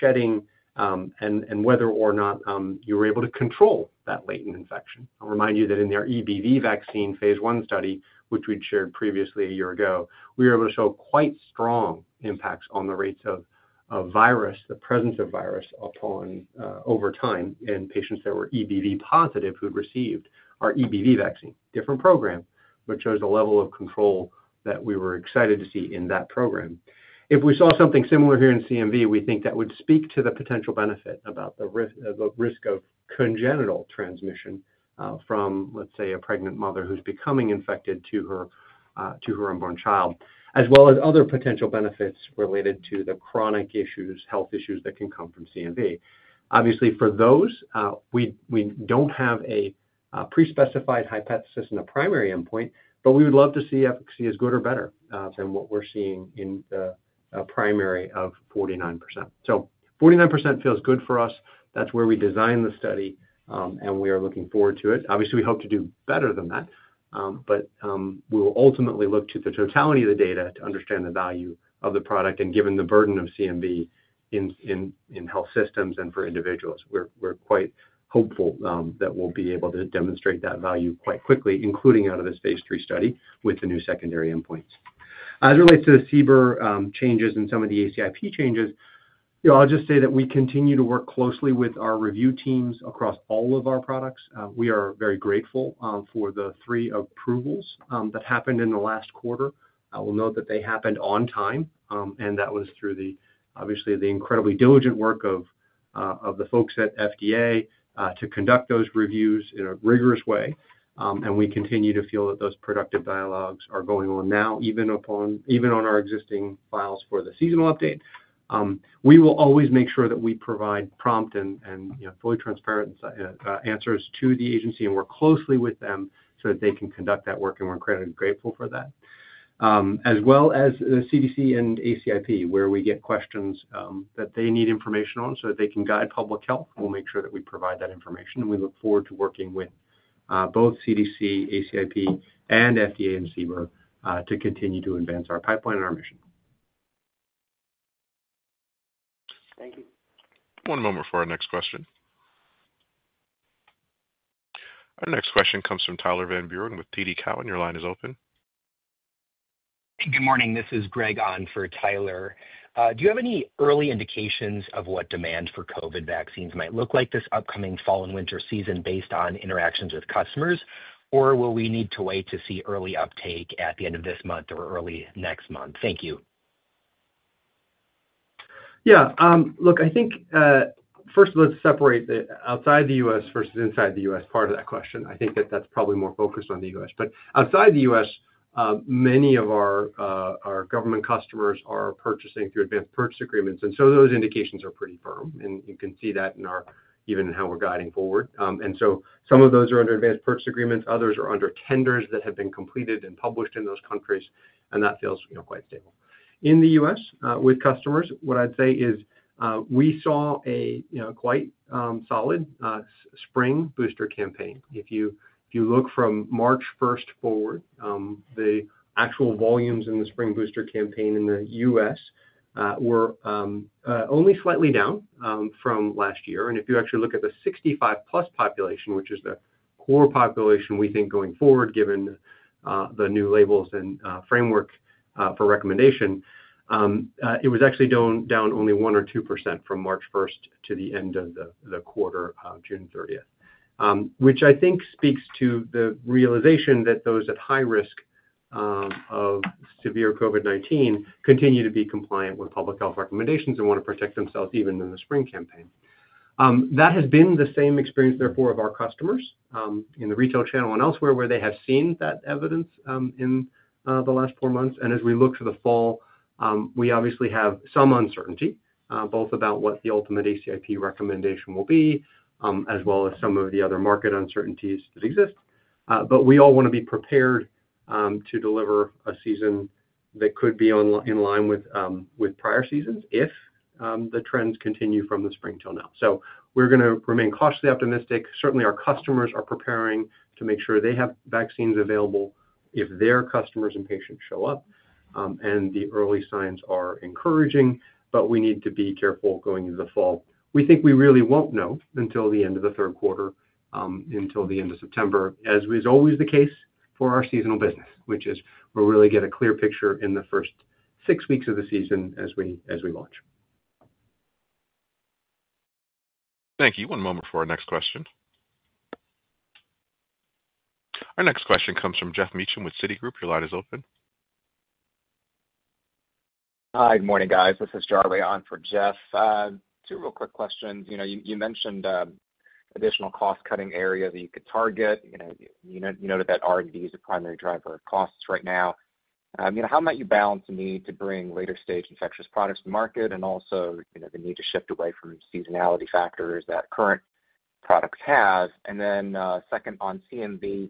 shedding and whether or not you were able to control that latent infection. I'll remind you that in the EBV vaccine Phase I study, which we'd shared previously a year ago, we were able to show quite strong impacts on the rates of virus, the presence of virus over time in patients that were EBV positive who'd received our EBV vaccine. Different program, which was the level of control that we were excited to see in that program. If we saw something similar here in CMV, we think that would speak to the potential benefit about the risk of congenital transmission from, let's say, a pregnant mother who's becoming infected to her unborn child, as well as other potential benefits related to the chronic health issues that can come from CMV. Obviously, for those, we don't have a pre-specified hypothesis in the primary endpoint, but we would love to see efficacy as good or better than what we're seeing in the primary of 49%. So 49% feels good for us. That's where we designed the study and we are looking forward to it. Obviously, we hope to do better than that, but we will ultimately look to the totality of the data to understand the value of the product. Given the burden of CMV in health systems and for individuals, we're quite hopeful that we'll be able to demonstrate that value quite quickly, including out of this Phase III study with the new secondary endpoints. As it relates to the CBER changes and some of the ACIP changes, I'll just say that we continue to work closely with our review teams across all of our products. We are very grateful for the three approvals that happened in the last quarter. I will note that they happened on time and that was through the incredibly diligent work of the folks at the FDA to conduct those reviews in a rigorous way. We continue to feel that those productive dialogues are going on now, even on our existing files for the seasonal update. We will always make sure that we provide prompt and fully transparent answers to the agency and work closely with them so that they can conduct that work. We're incredibly grateful for that, as well as the CDC and ACIP, where we get questions that they need information on so that they can guide public health. We'll make sure that we provide that information and we look forward to working with both CDC, ACIP, and the FDA and CBER to continue to advance our pipeline and our mission. Thank you. One moment for our next question. Our next question comes from Tyler Van Buren with TD Cowen. Your line is open. Good morning, this is Greg on for Tyler, do you have any early indications of what demand for COVID vaccines might look like this upcoming fall and winter season based on interactions with customers, or will we need to wait to see early uptake at the end of this month or early next month? Thank you. Yeah, look, I think first let's separate the outside the U.S. versus inside the U.S. part of that question. I think that that's probably more focused on the U.S., but outside the U.S. many of our government customers are purchasing through advanced purchase agreements. Those indications are pretty firm. You can see that in our even how we're guiding forward. Some of those are under advanced purchase agreements, others are under tenders that have been completed and possibly published in those countries. That feels quite stable. In the U.S. with customers, what I'd say is we saw a quite solid spring booster campaign. If you look from March 1 forward, the actual volumes in the spring booster campaign in the U.S. were only slightly down from last year. If you actually look at the 65+ population, which is the core population, we think going forward, given the new labels and framework for recommendation, it was actually down only 1% or 2% from March 1st to the end of the quarter June 30th, which I think speaks to the realization that those at high risk of severe COVID-19 continue to be compliant with public health recommendations and want to protect themselves even in the spring campaign. That has been the same experience, therefore, of our customers in the retail channel and elsewhere where they have seen that evidence in the last four months. As we look to the fall, we obviously have some uncertainty both about what the ultimate ACIP recommendation will be, as well as some of the other market uncertainties that exist. We all want to be prepared to deliver a season that could be in line with prior seasons if the trends continue from the spring till now. We are going to remain cautiously optimistic. Certainly our customers are preparing to make sure they have vaccines available if their customers and patients show up. The early signs are encouraging. We need to be careful going into the fall. We think we really won't know until the end of the third quarter, until the end of September, as is always the case for our seasonal business, which is we'll really get a clear picture in the first six weeks of the season as we launch. Thank you. One moment for our next question. Our next question comes from Jeff Meacham with Citigroup. Your line is open. Hi, good morning, guys. This is Charlie on for Jeff. Two real quick questions. You mentioned additional cost cutting area that you could target. You noted that R&D is a primary driver of costs right now. How might you balance the need to bring later stage infectious products to market and also the need to shift away from seasonality factors that current products have? Second, on CMV,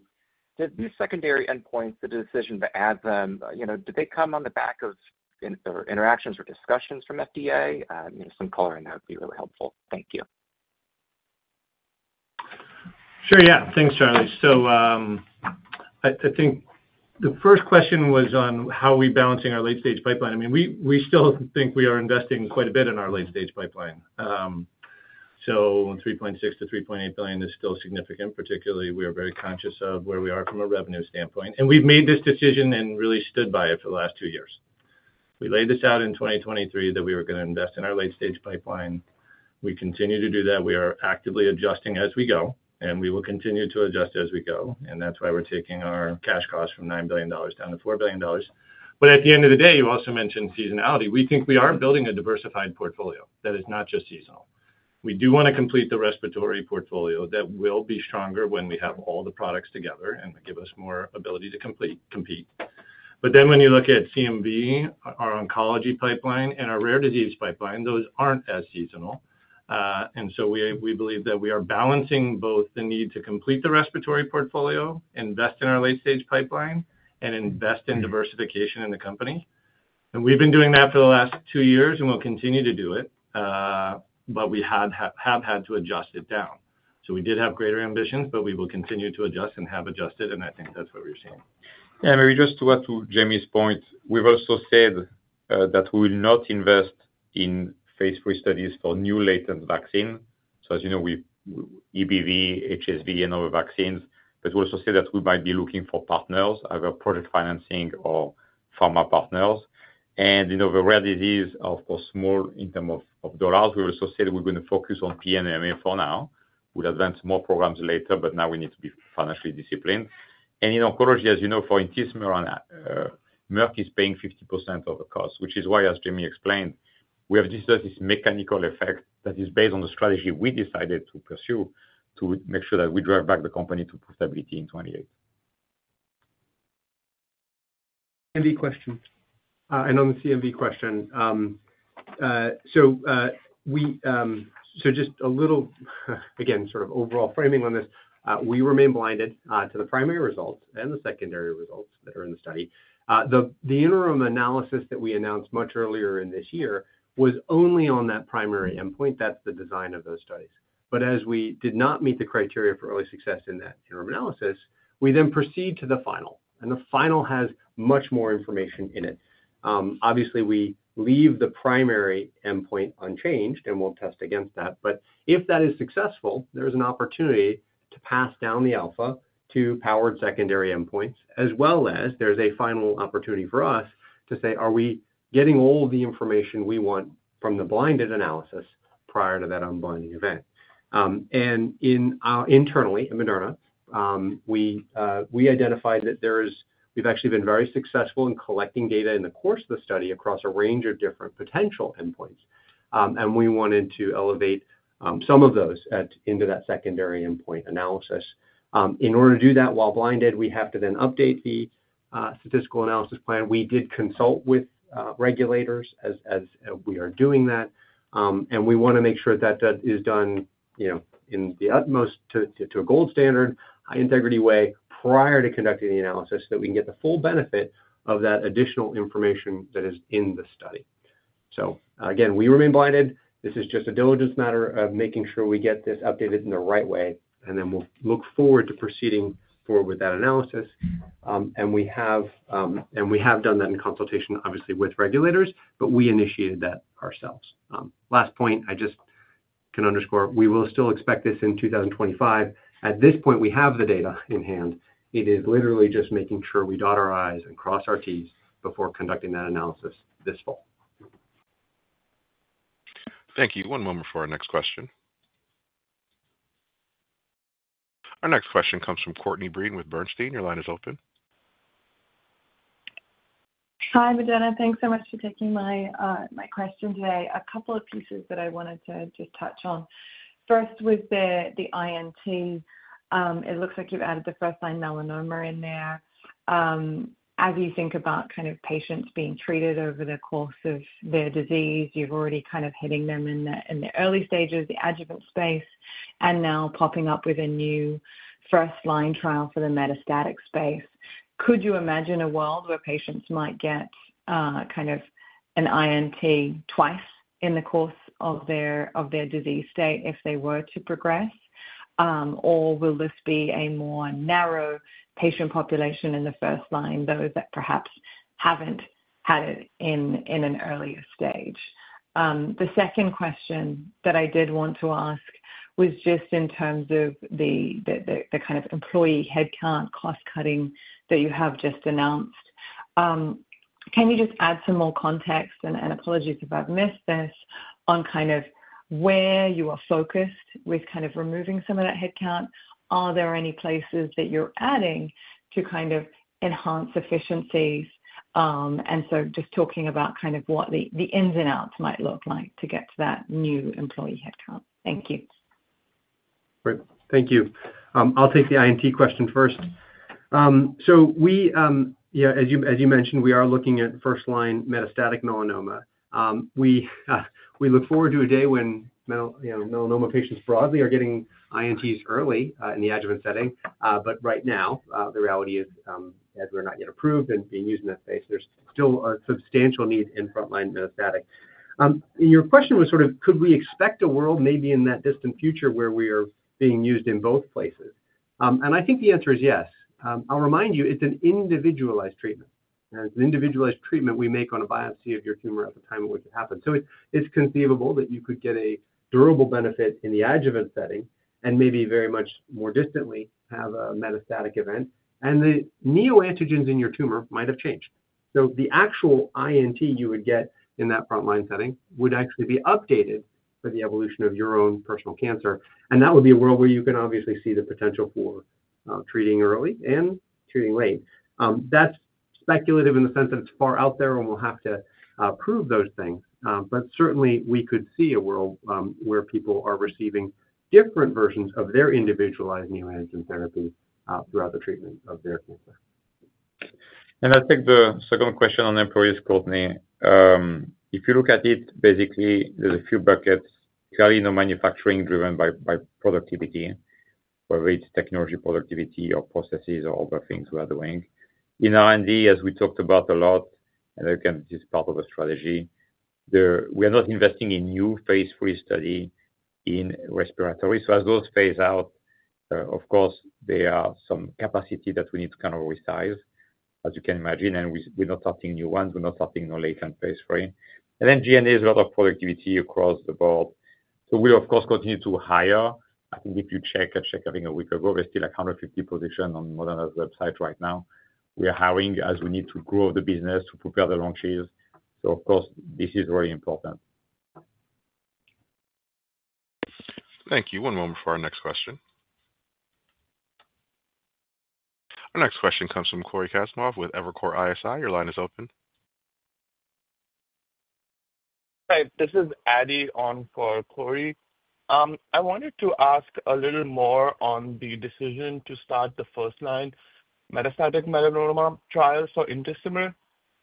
these secondary endpoints, the decision to add them, did they come on the back of interactions or discussions from FDA? Some color in that would be really helpful, thank you. Sure. Yeah. Thanks, Charlie. I think the first question was on how we are balancing our late-stage pipeline. We still think we are investing quite a bit in our late-stage pipeline. $3.6 billion-$3.8 billion is still significant. Particularly, we are very conscious of where we are from a revenue standpoint. We've made this decision and really stood by it for the last two years. We laid this out in 2023 that we were going to invest in our late-stage pipeline. We continue to do that. We are actively adjusting as we go and we will continue to adjust as we go. That is why we're taking our cash cost from $9 billion down to $4 billion. At the end of the day, you also mentioned seasonality. We think we are building a diversified portfolio that is not just seasonal. We do want to complete the respiratory portfolio. That will be stronger when we have all the products together and give us more ability to compete. When you look at CMV, our oncology pipeline, and our rare disease pipeline, those aren't as seasonal. We believe that we are balancing both the need to complete the respiratory portfolio, invest in our late-stage pipeline, and invest in diversification in the company. We've been doing that for the last two years and we'll continue to do it, but we have had to adjust it down. We did have greater ambitions, but we will continue to adjust and have adjusted. I think that's what we're seeing. Maybe just to add to Jamey’s point, we’ve also said that we will not invest in Phase III studies for new latent vaccines. As you know, with EBV, HSV, and other vaccines, we also say that we might be looking for partners, either project financing or pharma partners. The rare disease, of course, is small in terms of dollars. We also said we’re going to focus on PA and MMA for now. We’ll advance more programs later. For now, we need to be financially disciplined. In oncology, as you know, for Intismeran, Merck is paying 50% of the cost, which is why, as Jamey explained, we have discussed this mechanical effect that is based on the strategy we decided to pursue to make sure that we drive back the company to profitability in 2018. On the CMV question, just a little again, sort of overall framing on this, we remain blinded to the primary results and the secondary results that are in the study. The interim analysis that we announced much earlier in this year was only on that primary endpoint. That is the design of those studies. As we did not meet the criteria for early success in that interim analysis, we then proceed to the final and the final has much more information in it. Obviously, we leave the primary endpoint unchanged and we'll test against that. If that is successful, there is an opportunity to pass down the alpha to powered secondary endpoints as well as a final opportunity for us to say are we getting all the information we want from the blinded analysis prior to that unblinding event. Internally in Moderna, we identified that we've actually been very successful in collecting data in the course of the study across a range of different potential endpoints and we wanted to elevate some of those into that secondary endpoint analysis. In order to do that while blinded, we have to then update the statistical analysis plan. We did consult with regulators as we are doing that, and we want to make sure that is done in the utmost to a gold standard, high integrity way prior to conducting the analysis so that we can get the benefit of that additional information that is in the study. We remain blinded. This is just a diligence matter of making sure we get this updated in the right way and then we'll look forward to proceeding forward with that analysis. We have done that in consultation obviously with regulators, but we initiated that ourselves. Last point, I just can underscore we will still expect this in 2025. At this point, we have the data in hand. It is literally just making sure we dot our I's and cross our T's before conducting that analysis this fall. Thank you. One moment for our next question. Our next question comes from Courtney Breen with Bernstein. Your line is open. Hi Moderna, thanks so much for taking my question today. A couple of pieces that I wanted to just touch on. First, with the INT, it looks like you've added the first line melanoma in there. As you think about kind of patients being treated over the course of their disease, you've already kind of hitting them in the early stages, the adjuvant space, and now popping up with a new first line trial for the metastatic space. Could you imagine a world where patients might get kind of an INT twice in the course of their disease state if they were to progress? Or will this be a more narrow patient population in the first line, those that perhaps haven't had it in an earlier stage? The second question that I did want to ask was just in terms of the kind of employee headcount cost cutting that you have just announced. Can you just add some more context, and apologies if I've missed this, on kind of where you are focused with kind of removing some of that headcount? Are there any places that you're adding to kind of enhance efficiencies? Just talking about kind of what the ins and outs might look like to get to that new employee headcount. Thank you. Great. Thank you. I'll take the INT question first. As you mentioned, we are looking at first line metastatic melanoma. We look forward to a day when melanoma patients broadly are getting INTs early in the adjuvant setting. Right now, the reality is, as we're not yet approved and being used in that space, there's still a substantial need in frontline metastatic. Your question was sort of, could we expect a world maybe in that distant future where we are being used in both places? I think the answer is yes. I'll remind you, it's an individualized treatment. It's an individualized treatment we make on a biopsy of your tumor at the time which happens. It's conceivable that you could get a durable benefit in the adjuvant setting and maybe very much more distantly have a metastatic event. The neoantigens in your tumor might have changed. The actual INT you would get in that frontline setting would actually be updated for the evolution of your own personal cancer. That would be a world where you can obviously see the potential for treating early and treating late. That's speculative in the sense that it's far out there and we'll have to prove those things. Certainly we could see a world where people are receiving different versions of their individualized neoantigen therapy throughout the treatment of their cancer. I think the second question on employees, Courtney. If you look at it, basically, there's a few buckets, Carly. No manufacturing driven by productivity, whether it's technology, productivity, or processes or other things we are doing in R&D, as we talked about a lot. This is part of a strategy. We are not investing in new Phase III study in respiratory. As those phase out, of course there is some capacity that we need to kind of resize, as you can imagine. We're not starting new ones. We're not starting new late Phase III. G&A has a lot of productivity across the board. We of course continue to hire. I think if you check, I check. I think a week ago, there's still 150 positions on Moderna's website. Right now we are hiring as we need to grow the business to prepare the launches. This is really important. Thank you. One moment for our next question. Our next question comes from Cory Kasimov with Evercore ISI. Your line is open. Hi, this is Adi on for Cory. I wanted to ask a little more on the decision to start the first line metastatic melanoma trials for Intismeran.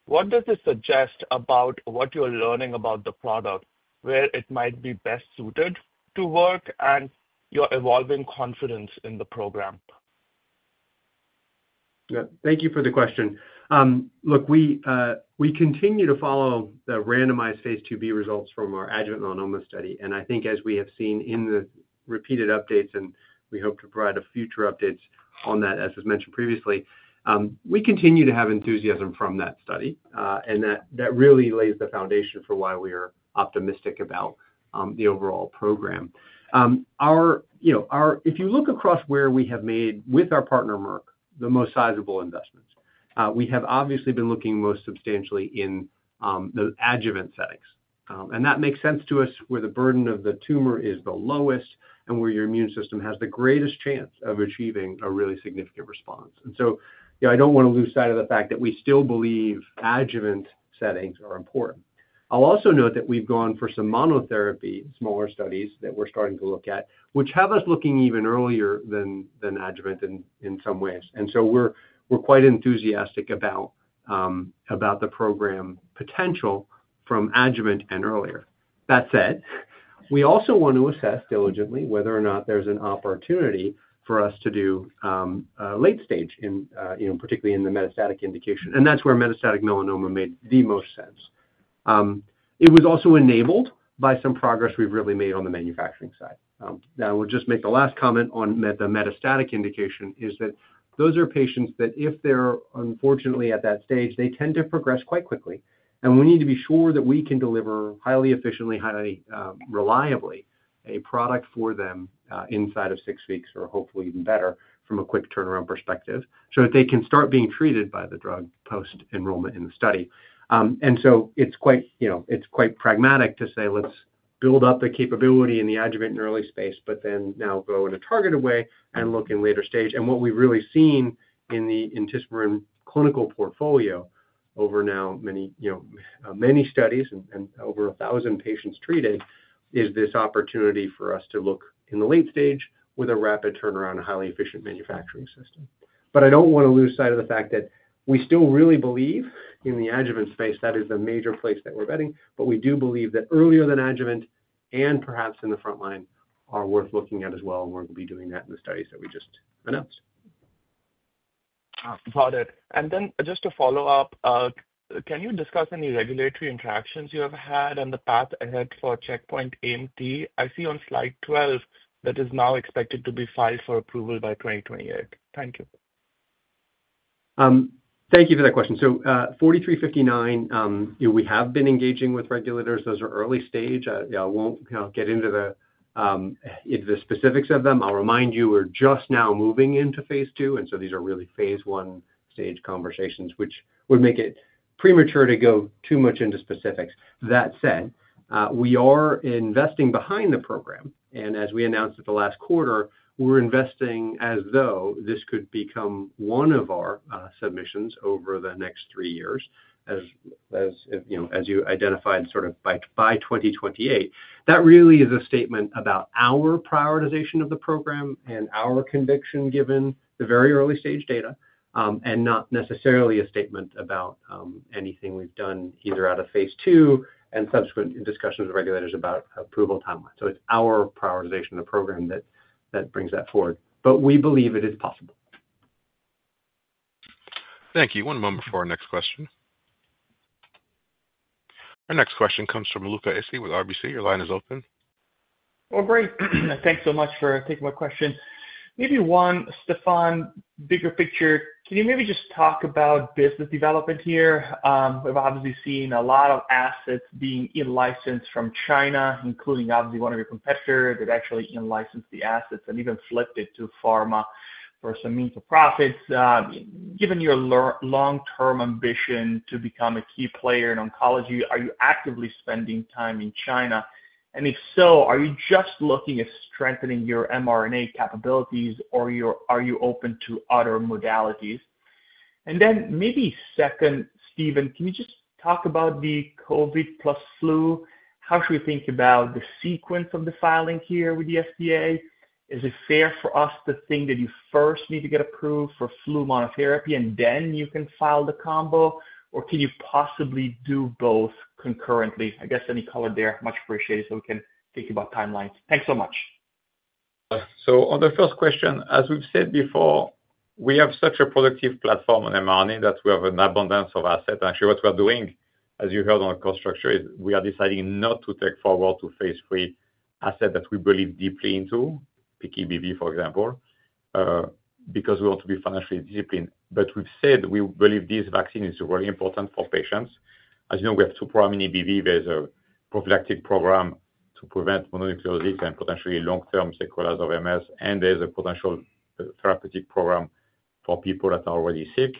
What does this suggest about what you're learning about the product, where it might be best suited to work, and your evolving confidence in the program? Thank you for the question. Look, we continue to follow the randomized Phase IIB results from our adjuvant melanoma study. I think as we have seen in the repeated updates, and we hope to provide future updates on that, as was mentioned previously, we continue to have enthusiasm from that study. That really lays the foundation for why we are optimistic about the overall program. If you look across where we have made with our partner Merck, the most sizable investments, we have obviously been looking most substantially in the adjuvant settings. That makes sense to us where the burden of the tumor is the lowest and where your immune system has the greatest chance of achieving a really significant response. I don't want to lose sight of the fact that we still believe adjuvant settings are important. I'll also note that we've gone for some monotherapy smaller studies that we're starting to look at which have us looking even earlier than adjuvant in some ways. We're quite enthusiastic about the program potential from adjuvant and earlier. That said, we also want to assess diligently whether or not there's an operational for us to do late stage in, you know, particularly in the metastatic indication. That's where metastatic melanoma made the most sense. It was also enabled by some progress we've really made on the manufacturing side. Now I'll just make the last comment on the metastatic indication. Those are patients that if they're unfortunately at that stage, they tend to progress quite quickly and we need to be sure that we can deliver highly efficiently, highly reliably a product for them inside of six weeks or hopefully even better from a quick turnaround perspective so that they can start being treated by the drug post enrollment in the study. It's quite pragmatic to say let's build up the capability in the adjuvant and early space, but then now go in a targeted way and look in later stage. What we've really seen in the Intismeran clinical portfolio over now many studies and over 1,000 patients treated is this opportunity for us to look in the late stage with a rapid turnaround, highly efficient manufacturing system. I don't want to lose sight of the fact that we still really believe in the adjuvant space; that is the major place that we're vetting. We do believe that earlier than adjuvant and perhaps in the front line are worth looking at as well. We're going to be doing that in the studies that we just announced. Got it. Just to follow up, can you discuss any regulatory interactions you have had and the path ahead for Check Point AIM-T? I see on Slide 12 that it is now expected to be filed for approval by 2028. Thank you. Thank you for that question. For 4359, we have been engaging with regulators. Those are early stage. I won't get into the specifics of them. I'll remind you, we're just now moving into Phase II. These are really the Phase I stage conversations, which would make it premature to go too much into specifics. That said, we are investing behind the program, and as we announced at the last quarter, we're investing as though this could become one of our submissions over the next three years. As you identified, sort of by 2028. That really is a statement about our prioritization of the program and our conviction given the very early stage data and not necessarily a statement about anything we've done either out of Phase II and subsequent discussions with regulators about approval timeline. It's our prioritization of the program that brings that forward, but we believe it is possible. Thank you. One moment for our next question. Our next question comes from Luca Issi with RBC. Your line is open. Great, thanks so much for taking my question. Maybe one, Stéphane, bigger picture, can you maybe just talk about business development here? We've obviously seen a lot of assets being in-licensed from China, including obviously one of your competitors that actually in-licensed the assets and even flipped it to pharma for some means of profits. Given your long-term ambition to become a key player in oncology, are you actively spending time in China? If so, are you just looking at strengthening your mRNA capabilities or are you open to other modalities? Maybe second, Stephen, can you just talk about the COVID plus flu? How should we think about the sequence of the filing here with the FDA? Is it fair for us to think that you first need to get approved for flu monotherapy and then you can file the combo, or can you possibly do both concurrently? Any color there is much appreciated so we can think about timelines. Thanks so much. On the first question, as we've said before, we have such a productive platform on mRNA that we have an abundance of assets. Actually, what we are doing, as you heard on our cost structure, is we are deciding not to take forward to Phase III assets that we believe deeply into PKBV, for example, because we want to be financially disciplined. We've said we believe this vaccine is really important for patients. As you know, we have two programs in EBV. There's a prophylactic program to prevent mononucleosis and potentially long-term sequelae of MS, and there's a potential therapeutic program for people that are already sick.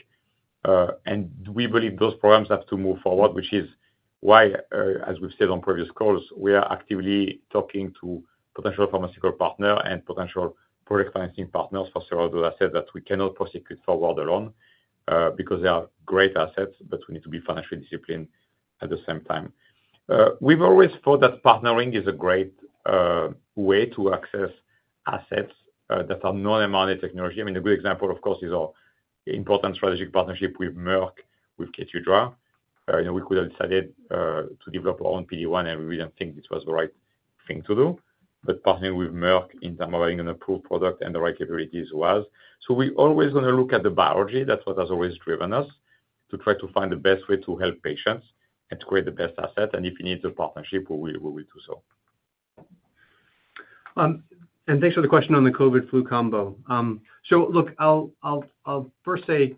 We believe those programs have to move forward, which is why, as we've said on previous calls, we are actively talking to potential pharmaceutical partners and potential product financing partners for several assets that we cannot prosecute forward alone because they are great assets, but we need to be financially disciplined at the same time. We've always thought that partnering is a great way to access assets that are non-mRNA technology. A good example, of course, is our important strategic partnership with Merck, with KEYTRUDA. We could have decided to develop our own PD-1, and we don't think this was the right thing to do. Partnering with Merck in terms of having an approved product and the right capabilities was, so we always look at the biology. That's what has always driven us to try to find the best way to help patients and to create the best asset. If you need a partnership, we will do so. Thanks for the question on the COVID flu Combo vaccine. I'll first say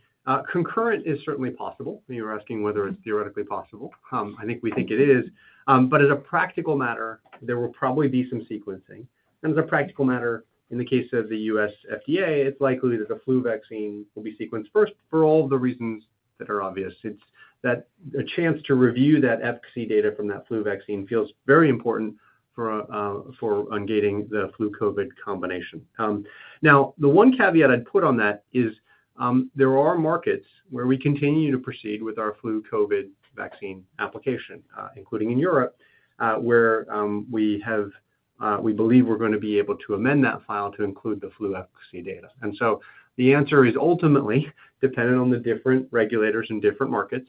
concurrent is certainly possible. You're asking whether it's theoretically possible? I think we think it is. As a practical matter, there will probably be some sequencing, and as a practical matter, in the case of the U.S. FDA, it's likely that the flu vaccine will be sequenced first. For all the reasons that are obvious, it's that a chance to review that efficacy data from that flu vaccine feels very important for ungating the flu COVID Combo vaccine. The one caveat I'd put on that is there are markets where we continue to proceed with our Flu COVID Combo vaccine application, including in Europe, where we believe we're going to be able to amend that file to include the flu efficacy data. The answer is ultimately dependent on the different regulators in different markets.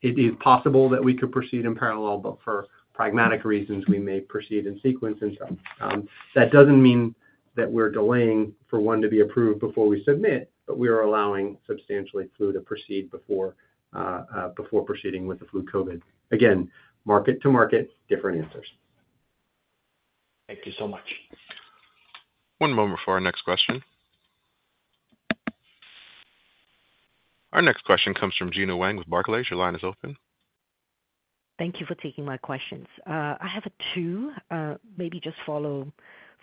It is possible that we could proceed in parallel, but for pragmatic reasons we may proceed in sequence. That doesn't mean that we're delaying for one to be approved before we submit, but we are allowing substantially flu to proceed before proceeding with the flu COVID. Again, market to market, different answers. Thank you so much. One moment for our next question. Our next question comes from Gena Wang with Barclays. Your line is open. Thank you for taking my questions. I have two, maybe just follow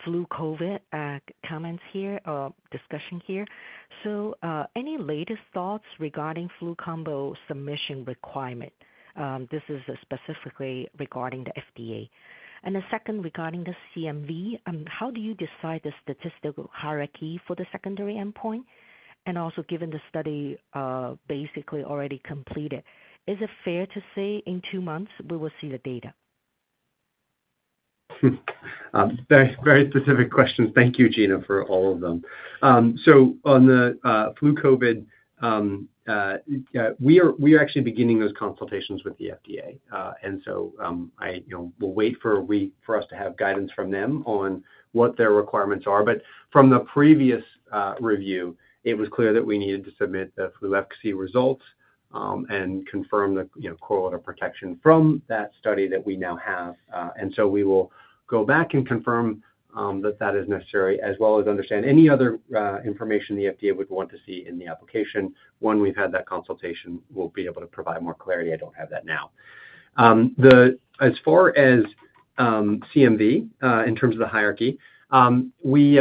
flu COVID comments here. Discussion here. Any latest thoughts regarding flu COVID Combo submission requirement? This is specifically regarding the FDA. The second, regarding the CMV, how do you decide the statistical hierarchy for the secondary endpoint? Also, given the study basically already completed, is it fair to say in two months we will see the data? Very specific questions. Thank you, Gina, for all of them. On the flu COVID, we are actually beginning those consultations with the FDA, and we'll wait for us to have guidance from them on what their requirements are. From the previous review, it was clear that we needed to submit the flu COVID Combo vaccine results and confirm the correlative protection from that study that we now have. We will go back and confirm that that is necessary, as well as understand any other information the FDA would want to see in the application. When we've had that consultation, we'll be able to provide more clarity. I don't have that now. As far as CMV, in terms of the hierarchy, we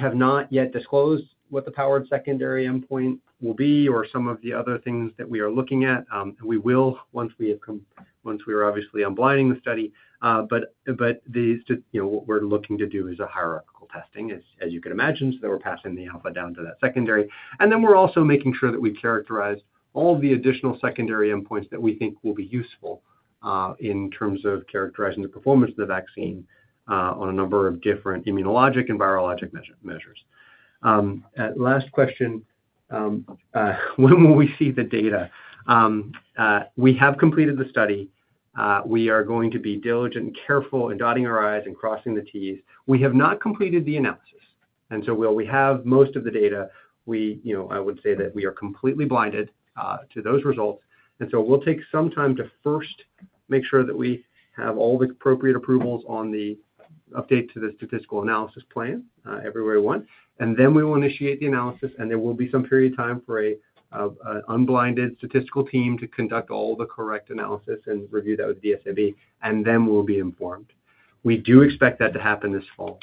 have not yet disclosed what the powered secondary endpoint will be or some of the other things that we are looking at. We will once we are obviously unblinding the study. What we're looking to do is a hierarchical testing, as you can imagine, so that we're passing the alpha down to that secondary, and then we're also making sure that we characterize all the additional secondary endpoints that we think will be useful in terms of characterizing the performance of the vaccine on a number of different immunologic and virologic measures. Last question. When will we see the data? We have completed the study. We are going to be diligent and careful in dotting our I's and crossing the T's. We have not completed the analysis. While we have most of the data, I would say that we are completely blinded to those results. We'll take some time to first make sure that we have all the appropriate approvals on the update to the statistical analysis plan everywhere. Then we will initiate the analysis, and there will be some period of time for an unblinded statistical team to conduct all the correct analysis and review that with DSMB, and then we'll be informed. We do expect that to happen this fall.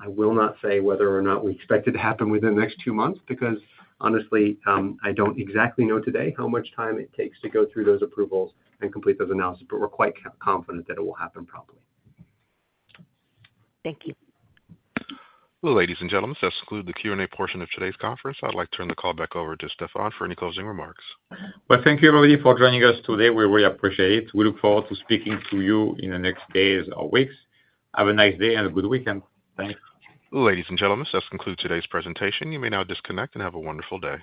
I will not say whether or not we expect it to happen within the next two months because, honestly, I don't exactly know today how much time it takes to go through those approvals and complete those analyses, but we're quite confident that it will happen properly. Thank you. Ladies and gentlemen, that concludes the Q&A portion of today's conference. I'd like to turn the call back over to Stéphane for any closing remarks. Thank you everybody for joining us today. We really appreciate it. We look forward to speaking to you in the next days or weeks. Have a nice day and a good weekend. Thanks. Ladies and gentlemen, that concludes today's presentation. You may now disconnect and have a wonderful day.